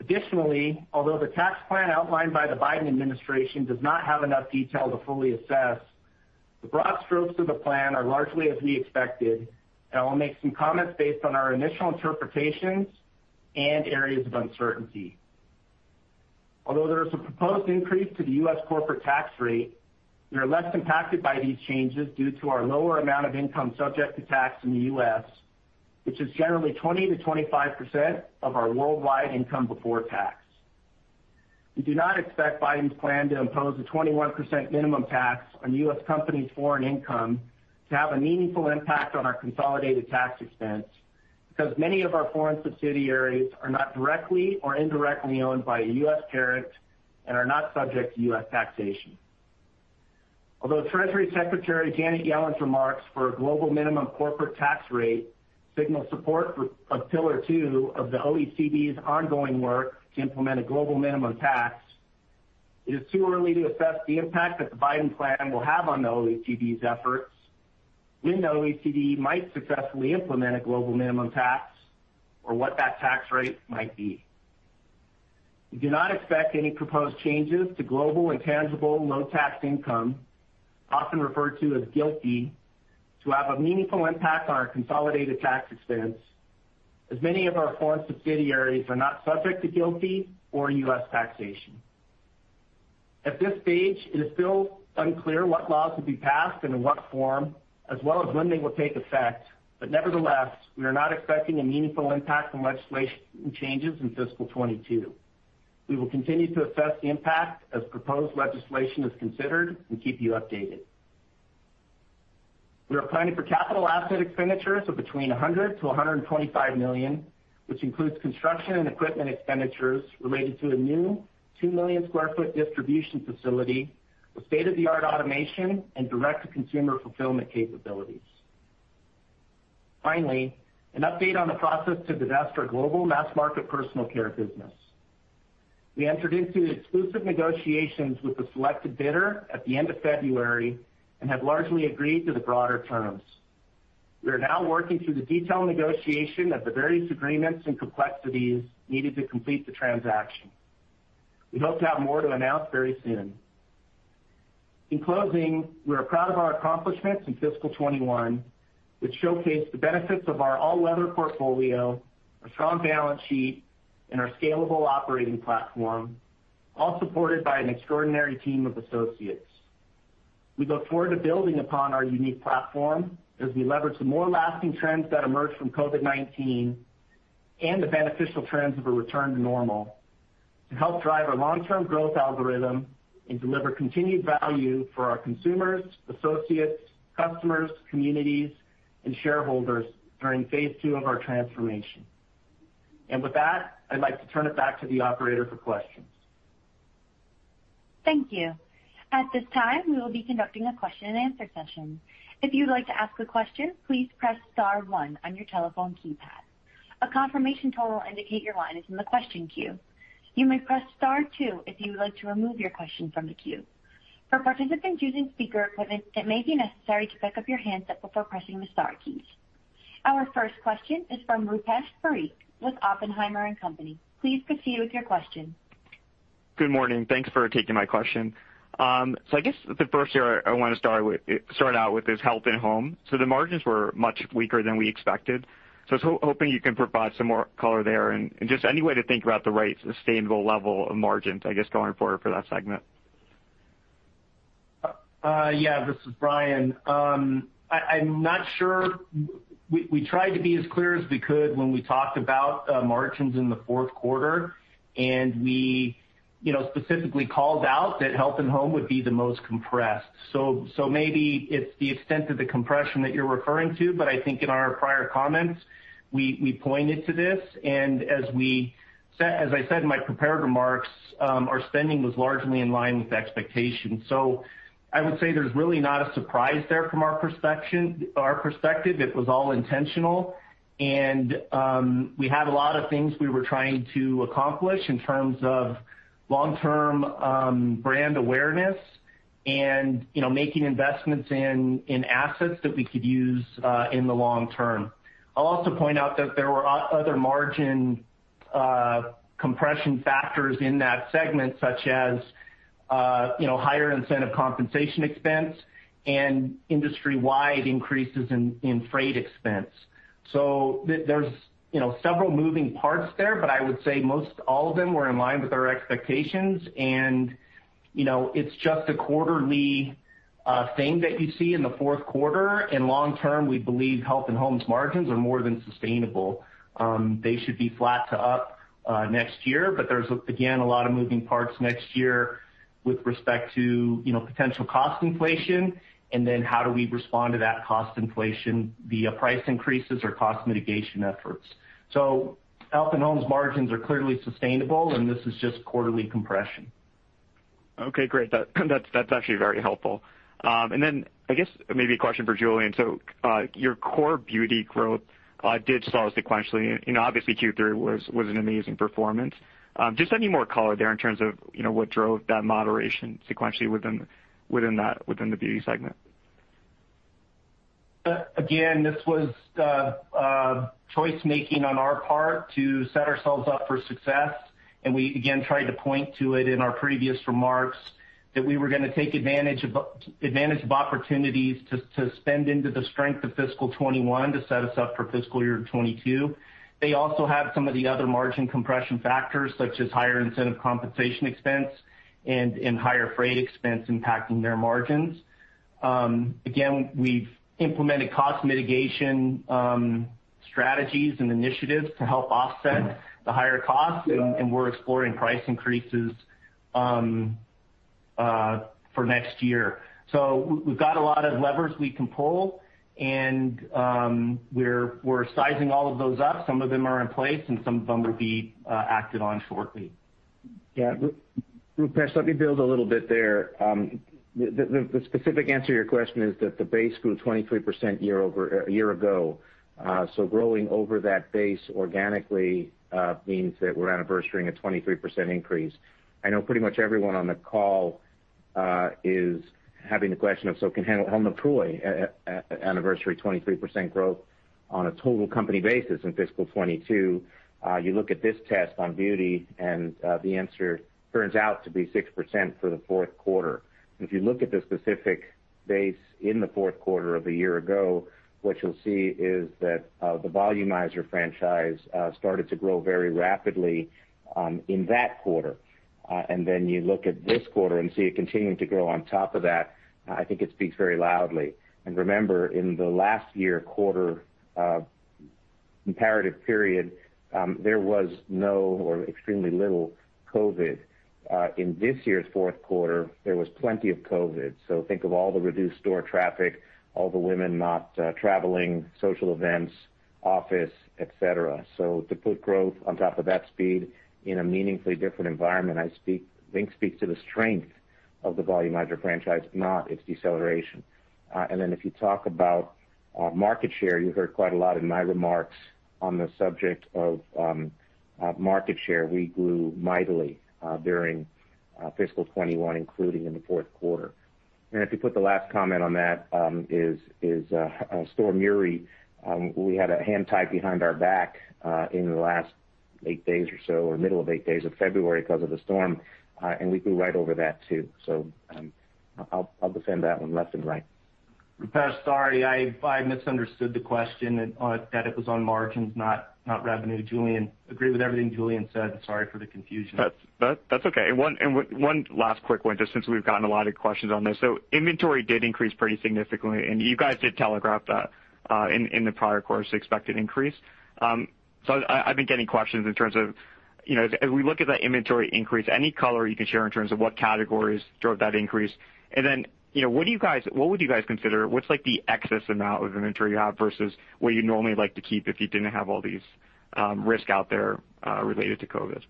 Additionally, although the tax plan outlined by the Biden administration does not have enough detail to fully assess, the broad strokes of the plan are largely as we expected, and I will make some comments based on our initial interpretations and areas of uncertainty. Although there is a proposed increase to the U.S. corporate tax rate, we are less impacted by these changes due to our lower amount of income subject to tax in the U.S., which is generally 20%-25% of our worldwide income before tax. We do not expect Biden's plan to impose a 21% minimum tax on U.S. companies' foreign income to have a meaningful impact on our consolidated tax expense because many of our foreign subsidiaries are not directly or indirectly owned by a U.S. parent and are not subject to U.S. taxation. Although Treasury Secretary Janet Yellen's remarks for a global minimum corporate tax rate signal support for a Pillar Two of the OECD's ongoing work to implement a global minimum tax, it is too early to assess the impact that the Biden plan will have on the OECD's efforts, when the OECD might successfully implement a global minimum tax, or what that tax rate might be. We do not expect any proposed changes to Global Intangible Low-Tax Income, often referred to as GILTI, to have a meaningful impact on our consolidated tax expense, as many of our foreign subsidiaries are not subject to GILTI or U.S. taxation. At this stage, it is still unclear what laws will be passed and in what form, as well as when they will take effect, nevertheless, we are not expecting a meaningful impact from legislation changes in fiscal 2022. We will continue to assess the impact as proposed legislation is considered and keep you updated. We are planning for capital asset expenditures of between $100 million to $125 million, which includes construction and equipment expenditures related to a new 2-million-square-foot distribution facility with state-of-the-art automation and direct-to-consumer fulfillment capabilities. An update on the process to divest our global mass market personal care business. We entered into exclusive negotiations with the selected bidder at the end of February and have largely agreed to the broader terms. We are now working through the detailed negotiation of the various agreements and complexities needed to complete the transaction. We hope to have more to announce very soon. In closing, we are proud of our accomplishments in fiscal 2021, which showcase the benefits of our all-weather portfolio, our strong balance sheet, and our scalable operating platform, all supported by an extraordinary team of associates. We look forward to building upon our unique platform as we leverage the more lasting trends that emerged from COVID-19 and the beneficial trends of a return to normal to help drive our long-term growth algorithm and deliver continued value for our consumers, associates, customers, communities, and shareholders during phase two of our transformation. With that, I'd like to turn it back to the operator for questions. Thank you. At this time, we will be conducting a question and answer session. If you'd like to ask a question, please press star one on your telephone keypad. A confirmation tone will indicate your line is in the question queue. You may press star two if you would like to remove your question from the queue. For participants using speaker equipment, it may be necessary to pick up your handset before pressing the star keys. Our first question is from Rupesh Parikh with Oppenheimer & Co. Please proceed with your question. Good morning. Thanks for taking my question. I guess the first area I want to start out with is Health & Home. The margins were much weaker than we expected. I was hoping you can provide some more color there and just any way to think about the right sustainable level of margins, I guess, going forward for that segment. This is Brian. I'm not sure. We tried to be as clear as we could when we talked about margins in the fourth quarter, and we specifically called out that Health & Home would be the most compressed. Maybe it's the extent of the compression that you're referring to. I think in our prior comments, we pointed to this and as I said in my prepared remarks, our spending was largely in line with expectations. I would say there's really not a surprise there from our perspective. It was all intentional and we had a lot of things we were trying to accomplish in terms of long-term brand awareness and making investments in assets that we could use in the long term. I'll also point out that there were other margin compression factors in that segment, such as higher incentive compensation expense and industry-wide increases in freight expense. There's several moving parts there. I would say most all of them were in line with our expectations. It's just a quarterly thing that you see in the fourth quarter. Long term, we believe Health & Home's margins are more than sustainable. They should be flat to up next year. There's, again, a lot of moving parts next year with respect to potential cost inflation and then how do we respond to that cost inflation via price increases or cost mitigation efforts. Health & Home's margins are clearly sustainable, and this is just quarterly compression. Okay, great. That's actually very helpful. I guess maybe a question for Julien. Your core beauty growth did slow sequentially. Obviously Q3 was an amazing performance. Just any more color there in terms of what drove that moderation sequentially within the beauty segment. This was choice making on our part to set ourselves up for success, and we again tried to point to it in our previous remarks that we were going to take advantage of opportunities to spend into the strength of fiscal 2021 to set us up for fiscal year 2022. They also have some of the other margin compression factors, such as higher incentive compensation expense and higher freight expense impacting their margins. We've implemented cost mitigation strategies and initiatives to help offset the higher costs, and we're exploring price increases for next year. We've got a lot of levers we can pull, and we're sizing all of those up. Some of them are in place, and some of them will be acted on shortly. Yeah. Rupesh, let me build a little bit there. The specific answer to your question is that the base grew 23% a year ago. Growing over that base organically means that we're anniversarying a 23% increase. I know pretty much everyone on the call is having the question of, so can Helen of Troy anniversary 23% growth on a total company basis in fiscal 2022? You look at this test on beauty, the answer turns out to be 6% for the fourth quarter. If you look at the specific base in the fourth quarter of a year ago, what you'll see is that the Volumizer franchise started to grow very rapidly in that quarter. You look at this quarter and see it continuing to grow on top of that, I think it speaks very loudly. Remember, in the last year, quarter comparative period, there was no or extremely little COVID. In this year's fourth quarter, there was plenty of COVID. Think of all the reduced store traffic, all the women not traveling, social events, office, et cetera. To put growth on top of that speed in a meaningfully different environment, I think speaks to the strength of the Volumizer franchise, not its deceleration. If you talk about market share, you heard quite a lot in my remarks on the subject of market share. We grew mightily during fiscal 2021, including in the fourth quarter. If you put the last comment on that is Storm Uri. We had a hand tied behind our back in the last eight days or so, or middle of eight days of February because of the storm, and we grew right over that, too. I'll defend that one left and right. Rupesh, sorry, I misunderstood the question, that it was on margins, not revenue. Agree with everything Julien said. Sorry for the confusion. That's okay. One last quick one, just since we've gotten a lot of questions on this. Inventory did increase pretty significantly, and you guys did telegraph that in the prior quarter's expected increase. I've been getting questions in terms of, as we look at that inventory increase, any color you can share in terms of what categories drove that increase? Then, what would you guys consider, what's the excess amount of inventory you have versus what you'd normally like to keep if you didn't have all these risks out there related to COVID?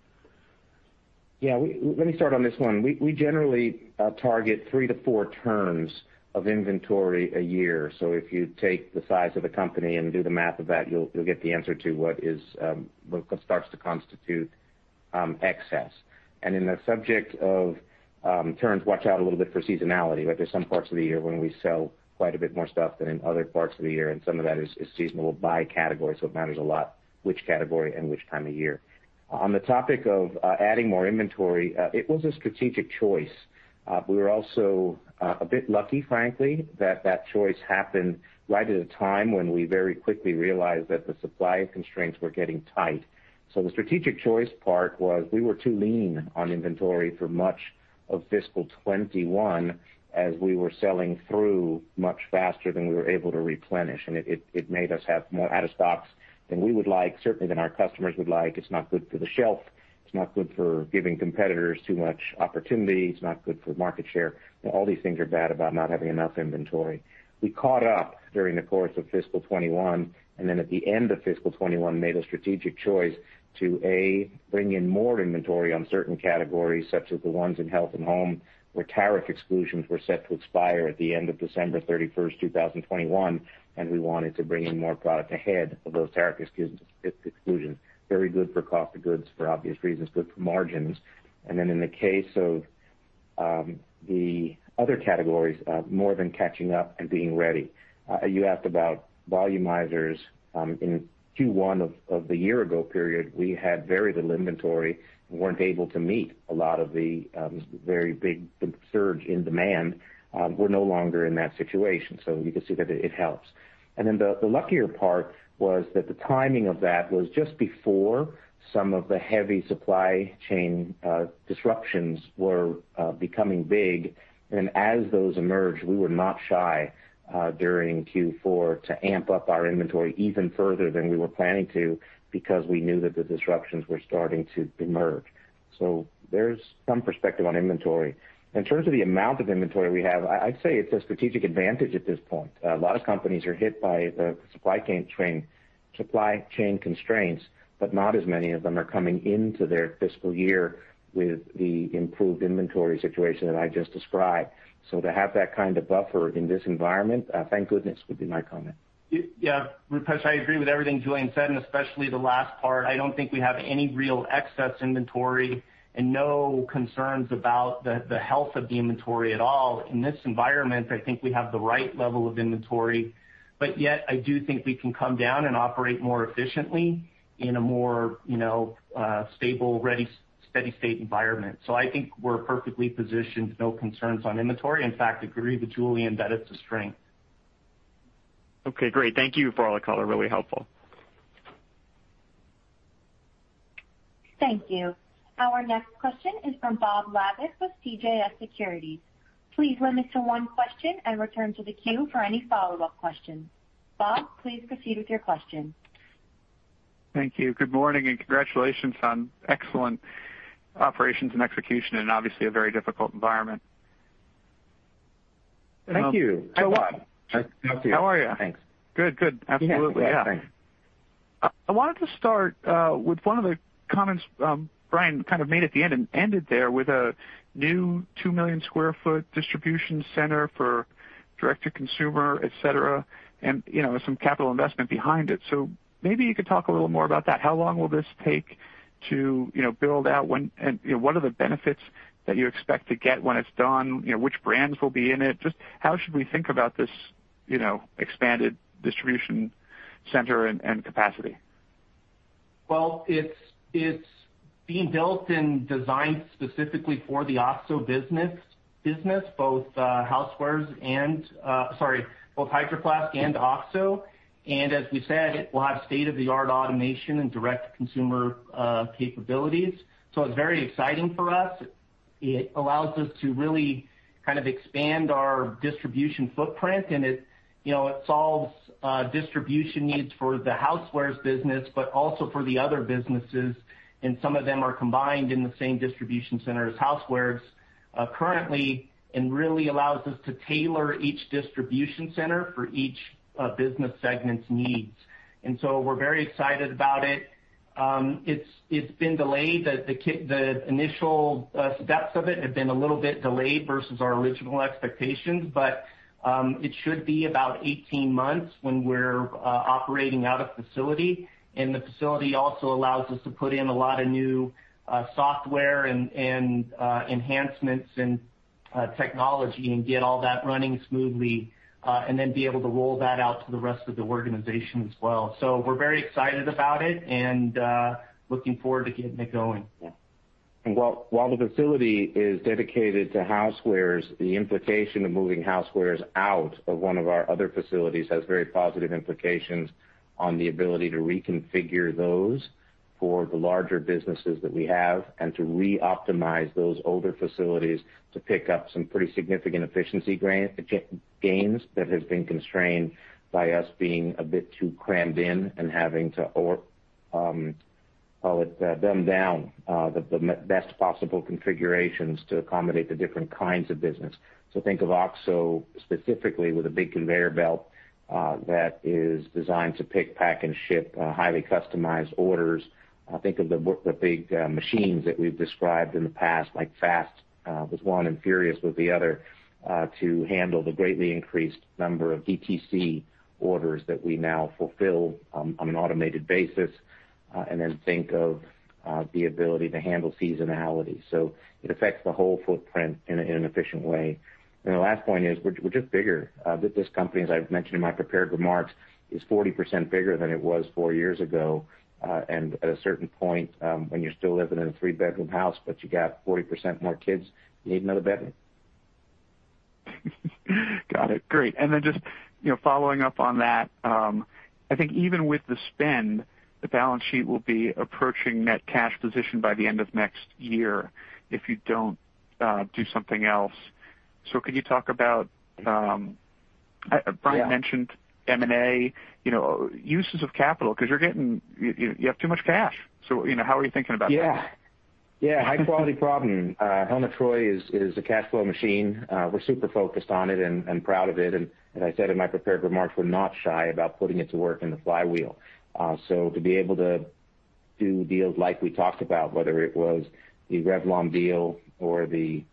Yeah. Let me start on this one. We generally target three to four turns of inventory a year. If you take the size of the company and do the math of that, you'll get the answer to what starts to constitute excess. In the subject of turns, watch out a little bit for seasonality, right? There's some parts of the year when we sell quite a bit more stuff than in other parts of the year, and some of that is seasonal by category, so it matters a lot which category and which time of year. On the topic of adding more inventory, it was a strategic choice. We were also a bit lucky, frankly, that that choice happened right at a time when we very quickly realized that the supply constraints were getting tight. The strategic choice part was we were too lean on inventory for much of fiscal 2021 as we were selling through much faster than we were able to replenish, and it made us have more out of stocks than we would like, certainly than our customers would like. It's not good for the shelf. It's not good for giving competitors too much opportunity. It's not good for market share. All these things are bad about not having enough inventory. We caught up during the course of fiscal 2021, and then at the end of fiscal 2021 made a strategic choice to, A, bring in more inventory on certain categories, such as the ones in Health & Home, where tariff exclusions were set to expire at the end of December 31st, 2021, and we wanted to bring in more product ahead of those tariff exclusions. Very good for cost of goods, for obvious reasons, good for margins. In the case of the other categories, more than catching up and being ready. You asked about volumizers. In Q1 of the year ago period, we had very little inventory and weren't able to meet a lot of the very big surge in demand. We're no longer in that situation, you can see that it helps. The luckier part was that the timing of that was just before some of the heavy supply chain disruptions were becoming big. As those emerged, we were not shy during Q4 to amp up our inventory even further than we were planning to because we knew that the disruptions were starting to emerge. There's some perspective on inventory. In terms of the amount of inventory we have, I'd say it's a strategic advantage at this point. A lot of companies are hit by the supply chain constraints, but not as many of them are coming into their fiscal year with the improved inventory situation that I just described. To have that kind of buffer in this environment, thank goodness, would be my comment. Rupesh, I agree with everything Julien said, and especially the last part. I don't think we have any real excess inventory and no concerns about the health of the inventory at all. In this environment, I think we have the right level of inventory, but yet I do think we can come down and operate more efficiently in a more stable, ready, steady state environment. I think we're perfectly positioned. No concerns on inventory. In fact, agree with Julien that it's a strength. Okay, great. Thank you for all the color. Really helpful. Thank you. Our next question is from Bob Labick with CJS Securities. Please limit to one question and return to the queue for any follow-up questions. Bob, please proceed with your question. Thank you. Good morning and congratulations on excellent operations and execution in obviously a very difficult environment. Thank you. Hello. Nice to talk to you. How are you? Thanks. Good. Absolutely. Yeah. Yeah. Thanks. I wanted to start with one of the comments Brian kind of made at the end and ended there with a new 2 million square foot distribution center for direct to consumer, et cetera, and some capital investment behind it. Maybe you could talk a little more about that. How long will this take to build out when, and what are the benefits that you expect to get when it's done? Which brands will be in it? Just how should we think about this expanded distribution center and capacity? It's being built and designed specifically for the OXO business, both housewares and, both Hydro Flask and OXO. As we said, it will have state-of-the-art automation and direct consumer capabilities. It's very exciting for us. It allows us to really expand our distribution footprint, and it solves distribution needs for the housewares business, but also for the other businesses, and some of them are combined in the same distribution center as housewares currently, and really allows us to tailor each distribution center for each business segment's needs. We're very excited about it. It's been delayed. The initial steps of it have been a little bit delayed versus our original expectations, but it should be about 18 months when we're operating out of facility. The facility also allows us to put in a lot of new software and enhancements and technology and get all that running smoothly, and then be able to roll that out to the rest of the organization as well. We're very excited about it and looking forward to getting it going. While the facility is dedicated to housewares, the implication of moving housewares out of one of our other facilities has very positive implications on the ability to reconfigure those for the larger businesses that we have, and to re-optimize those older facilities to pick up some pretty significant efficiency gains that have been constrained by us being a bit too crammed in and having to, call it, dumb down the best possible configurations to accommodate the different kinds of business. Think of OXO specifically with a big conveyor belt that is designed to pick, pack, and ship highly customized orders. Think of the big machines that we've described in the past, like Fast was one and Furious was the other, to handle the greatly increased number of DTC orders that we now fulfill on an automated basis. Think of the ability to handle seasonality. It affects the whole footprint in an efficient way. The last point is, we're just bigger. This company, as I've mentioned in my prepared remarks, is 40% bigger than it was four years ago. At a certain point, when you're still living in a three-bedroom house, but you got 40% more kids, you need another bedroom. Got it. Great. Just following up on that, I think even with the spend, the balance sheet will be approaching net cash position by the end of next year if you don't do something else. Could you talk about? Yeah Brian mentioned M&A, uses of capital, because you have too much cash. How are you thinking about that? Yeah. High quality problem. Helen of Troy is a cash flow machine. We're super focused on it and proud of it, and as I said in my prepared remarks, we're not shy about putting it to work in the flywheel. To be able to do deals like we talked about, whether it was the Revlon deal or the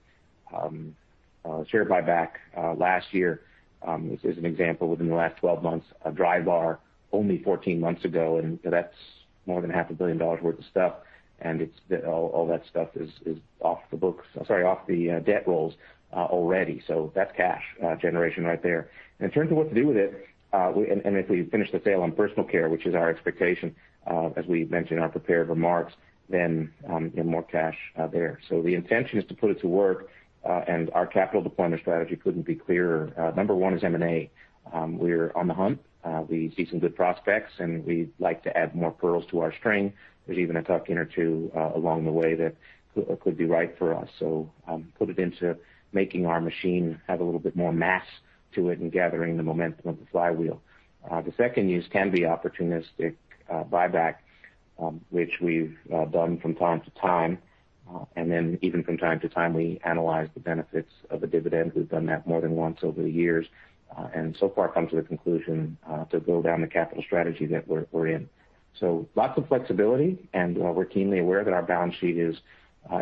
share buyback last year, as an example within the last 12 months, Drybar only 14 months ago, and that's more than half a billion dollars worth of stuff. All that stuff is off the debt rolls already. So that's cash generation right there. In terms of what to do with it, and if we finish the sale on personal care, which is our expectation, as we mentioned in our prepared remarks, then more cash there. The intention is to put it to work, and our capital deployment strategy couldn't be clearer. Number 1 is M&A. We're on the hunt. We see some good prospects, and we'd like to add more pearls to our string. There's even a tuck-in or two along the way that could be right for us. Put it into making our machine have a little bit more mass to it and gathering the momentum of the flywheel. The second use can be opportunistic buyback, which we've done from time to time. Even from time to time, we analyze the benefits of a dividend. We've done that more than once over the years, and so far come to the conclusion to go down the capital strategy that we're in. Lots of flexibility and we're keenly aware that our balance sheet is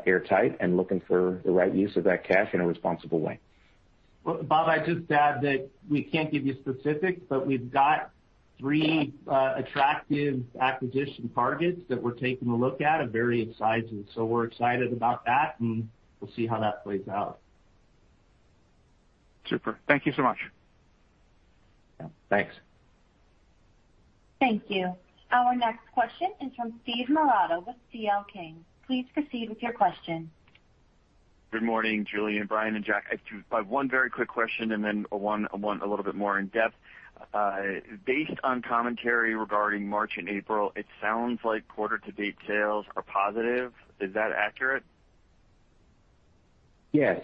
airtight and looking for the right use of that cash in a responsible way. Well, Bob Labick, I'd just add that we can't give you specifics, but we've got three attractive acquisition targets that we're taking a look at of various sizes. We're excited about that, and we'll see how that plays out. Super. Thank you so much. Yeah, thanks. Thank you. Our next question is from Steven Marotta with C.L. King. Please proceed with your question. Good morning, Julien, Brian, and Jack. I have one very quick question and then one a little bit more in-depth. Based on commentary regarding March and April, it sounds like quarter-to-date sales are positive. Is that accurate? Yes.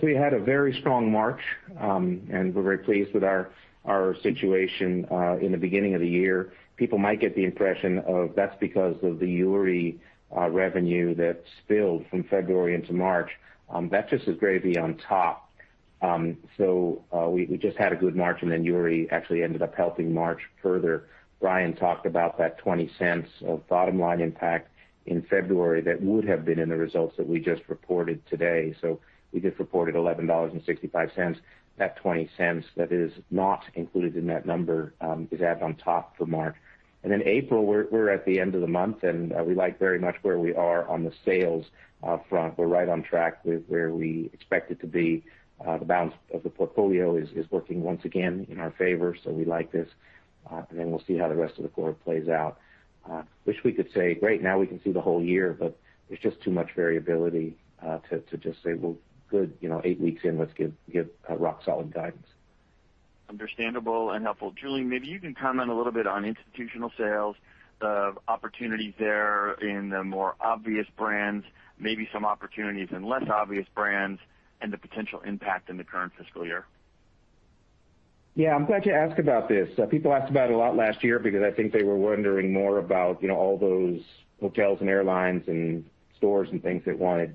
We had a very strong March, and we're very pleased with our situation in the beginning of the year. People might get the impression of that's because of the Uri revenue that spilled from February into March. That's just the gravy on top. We just had a good March, and then Uri actually ended up helping March further. Brian talked about that $0.20 of bottom-line impact in February that would have been in the results that we just reported today. We just reported $11.65. That $0.20 that is not included in that number, is added on top for March. In April, we're at the end of the month, and we like very much where we are on the sales front. We're right on track with where we expect it to be. The balance of the portfolio is working once again in our favor. We like this. We'll see how the rest of the quarter plays out. Wish we could say, "Great, now we can see the whole year." There's just too much variability to just say, "Well, good, eight weeks in, let's give rock-solid guidance. Understandable and helpful. Julien, maybe you can comment a little bit on institutional sales, the opportunities there in the more obvious brands, maybe some opportunities in less obvious brands, and the potential impact in the current fiscal year. Yeah, I'm glad you asked about this. People asked about it a lot last year because I think they were wondering more about all those hotels and airlines and stores and things that wanted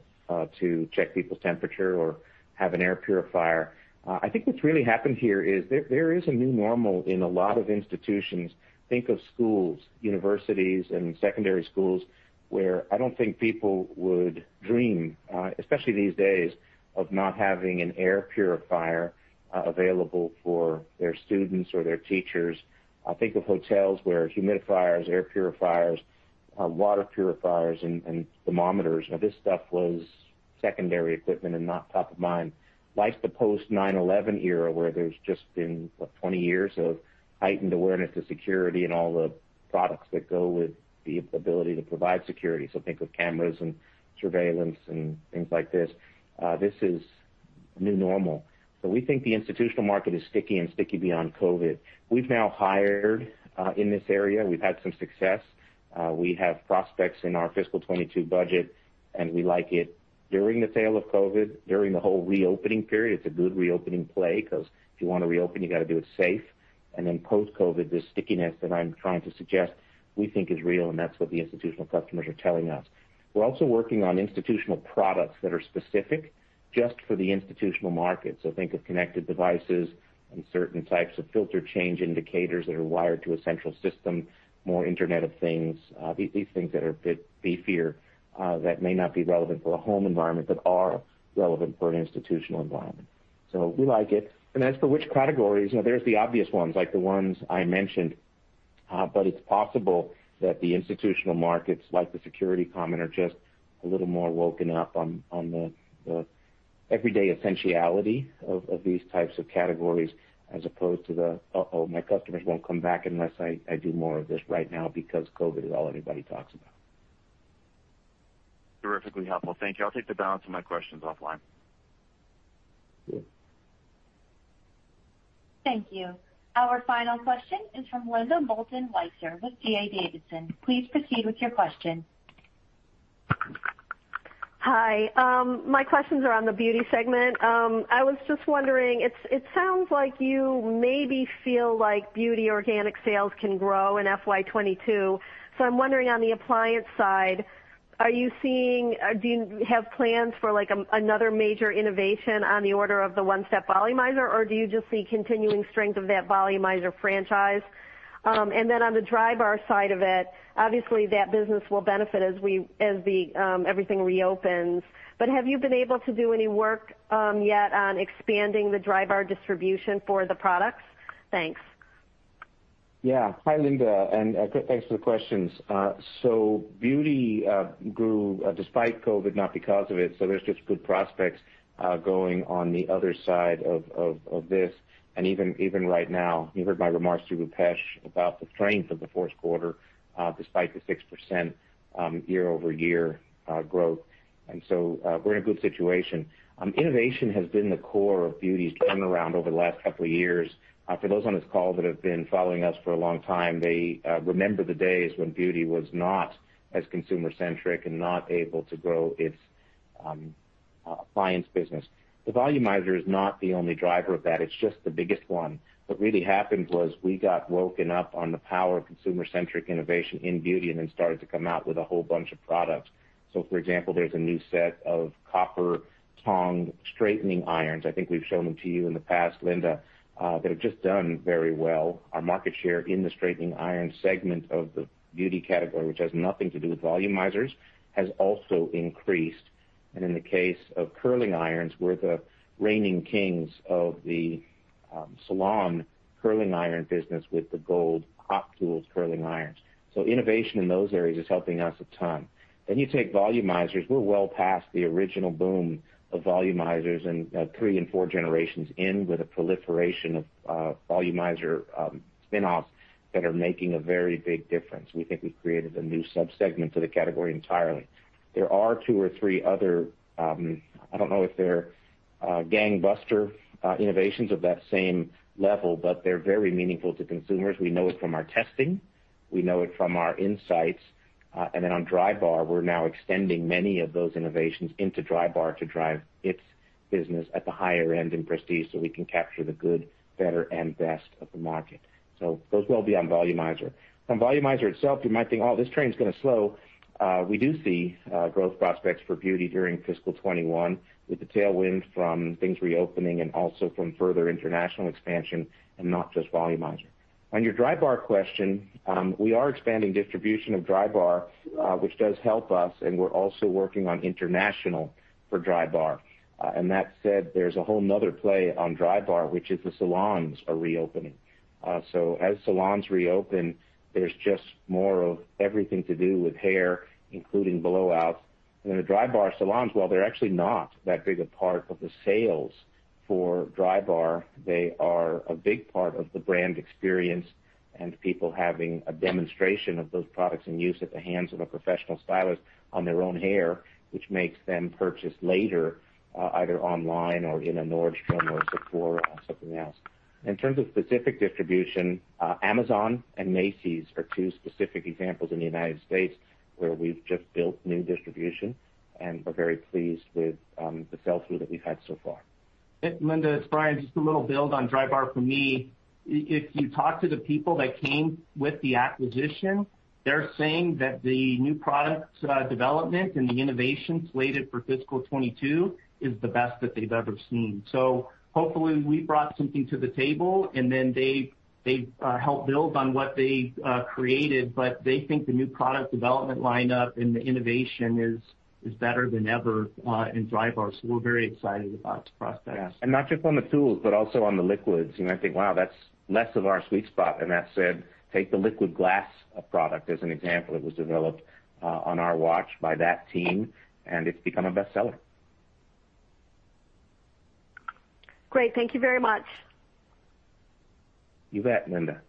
to check people's temperature or have an air purifier. I think what's really happened here is there is a new normal in a lot of institutions. Think of schools, universities, and secondary schools where I don't think people would dream, especially these days, of not having an air purifier available for their students or their teachers. Think of hotels where humidifiers, air purifiers, water purifiers, and thermometers, this stuff was secondary equipment and not top of mind. Like the post 9/11 era, where there's just been, what, 20 years of heightened awareness of security and all the products that go with the ability to provide security. Think of cameras and surveillance and things like this. This is new normal. We think the institutional market is sticky and sticky beyond COVID. We've now hired in this area. We've had some success. We have prospects in our FY 2022 budget, and we like it during the tail of COVID, during the whole reopening period. It's a good reopening play, because if you want to reopen, you got to do it safe. Post-COVID, this stickiness that I'm trying to suggest, we think is real. That's what the institutional customers are telling us. We're also working on institutional products that are specific just for the institutional market. Think of connected devices and certain types of filter change indicators that are wired to a central system, more Internet of things. These things that are a bit beefier, that may not be relevant for a home environment, but are relevant for an institutional environment. We like it. As for which categories, there's the obvious ones, like the ones I mentioned. It's possible that the institutional markets, like the security comment, are just a little more woken up on the everyday essentiality of these types of categories as opposed to the, "Uh-oh, my customers won't come back unless I do more of this right now because COVID is all anybody talks about. Terrifically helpful. Thank you. I'll take the balance of my questions offline. Sure. Thank you. Our final question is from Linda Bolton Weiser with D.A. Davidson. Please proceed with your question. Hi. My questions are on the beauty segment. I was just wondering, it sounds like you maybe feel like beauty organic sales can grow in FY 2022. I'm wondering on the appliance side, do you have plans for another major innovation on the order of the One-Step Volumizer, or do you just see continuing strength of that Volumizer franchise? On the Drybar side of it, obviously that business will benefit as everything reopens. Have you been able to do any work yet on expanding the Drybar distribution for the products? Thanks. Yeah. Hi, Linda, and thanks for the questions. Beauty grew despite COVID, not because of it. There's just good prospects going on the other side of this. Even right now, you heard my remarks to Rupesh about the strength of the fourth quarter, despite the 6% year-over-year growth. We're in a good situation. Innovation has been the core of Beauty's turnaround over the last couple of years. For those on this call that have been following us for a long time, they remember the days when Beauty was not as consumer-centric and not able to grow its appliance business. The Volumizer is not the only driver of that. It's just the biggest one. What really happened was we got woken up on the power of consumer-centric innovation in Beauty and then started to come out with a whole bunch of products. For example, there's a new set of copper tong straightening irons, I think we've shown them to you in the past, Linda, that have just done very well. Our market share in the straightening iron segment of the Beauty category, which has nothing to do with Volumizers, has also increased. In the case of curling irons, we're the reigning kings of the salon curling iron business with the gold Hot Tools curling irons. Innovation in those areas is helping us a ton. You take Volumizers, we're well past the original boom of Volumizers and 3 and 4 generations in with a proliferation of Volumizer spin-offs that are making a very big difference. We think we've created a new sub-segment to the category entirely. There are 2 or 3 other, I don't know if they're gangbuster innovations of that same level, but they're very meaningful to consumers. We know it from our testing. We know it from our insights. On Drybar, we're now extending many of those innovations into Drybar to drive its business at the higher end in prestige so we can capture the good, better, and best of the market. Those will be on Volumizer. On Volumizer itself, you might think, "Oh, this train's going to slow." We do see growth prospects for Beauty during fiscal 2021 with the tailwind from things reopening and also from further international expansion and not just Volumizer. On your Drybar question, we are expanding distribution of Drybar, which does help us, and we're also working on international for Drybar. That said, there's a whole another play on Drybar, which is the salons are reopening. As salons reopen, there's just more of everything to do with hair, including blowouts. The Drybar salons, while they're actually not that big a part of the sales for Drybar, they are a big part of the brand experience and people having a demonstration of those products in use at the hands of a professional stylist on their own hair, which makes them purchase later, either online or in a Nordstrom or a Sephora or something else. In terms of specific distribution, Amazon and Macy's are two specific examples in the United States where we've just built new distribution and we're very pleased with the sell-through that we've had so far. Linda, it's Brian. Just a little build on Drybar from me. If you talk to the people that came with the acquisition, they're saying that the new product development and the innovation slated for fiscal 2022 is the best that they've ever seen. Hopefully, we brought something to the table and then they help build on what they created, but they think the new product development lineup and the innovation is better than ever in Drybar. We're very excited about the prospects. Yeah. Not just on the tools, but also on the liquids. You might think, wow, that's less of our sweet spot, and that said, take the Liquid Glass product as an example that was developed on our watch by that team, and it's become a bestseller. Great. Thank you very much. You bet, Linda.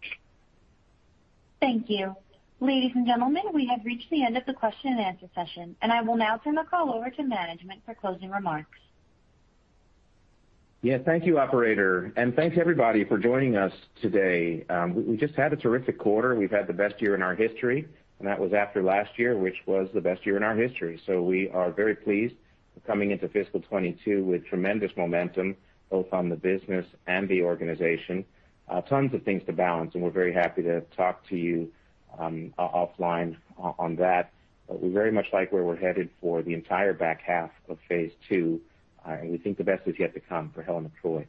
Thank you. Ladies and gentlemen, we have reached the end of the question and answer session. I will now turn the call over to management for closing remarks. Yeah. Thank you, operator. Thanks everybody for joining us today. We just had a terrific quarter. We've had the best year in our history, and that was after last year, which was the best year in our history. We are very pleased coming into fiscal 2022 with tremendous momentum, both on the business and the organization. Tons of things to balance, and we're very happy to talk to you offline on that. We very much like where we're headed for the entire back half of phase two. We think the best is yet to come for Helen of Troy.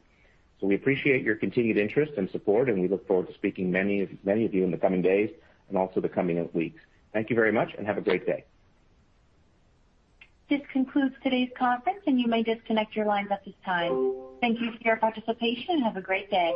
We appreciate your continued interest and support, and we look forward to speaking to many of you in the coming days and also the coming weeks. Thank you very much and have a great day. This concludes today's conference, and you may disconnect your lines at this time. Thank you for your participation, and have a great day.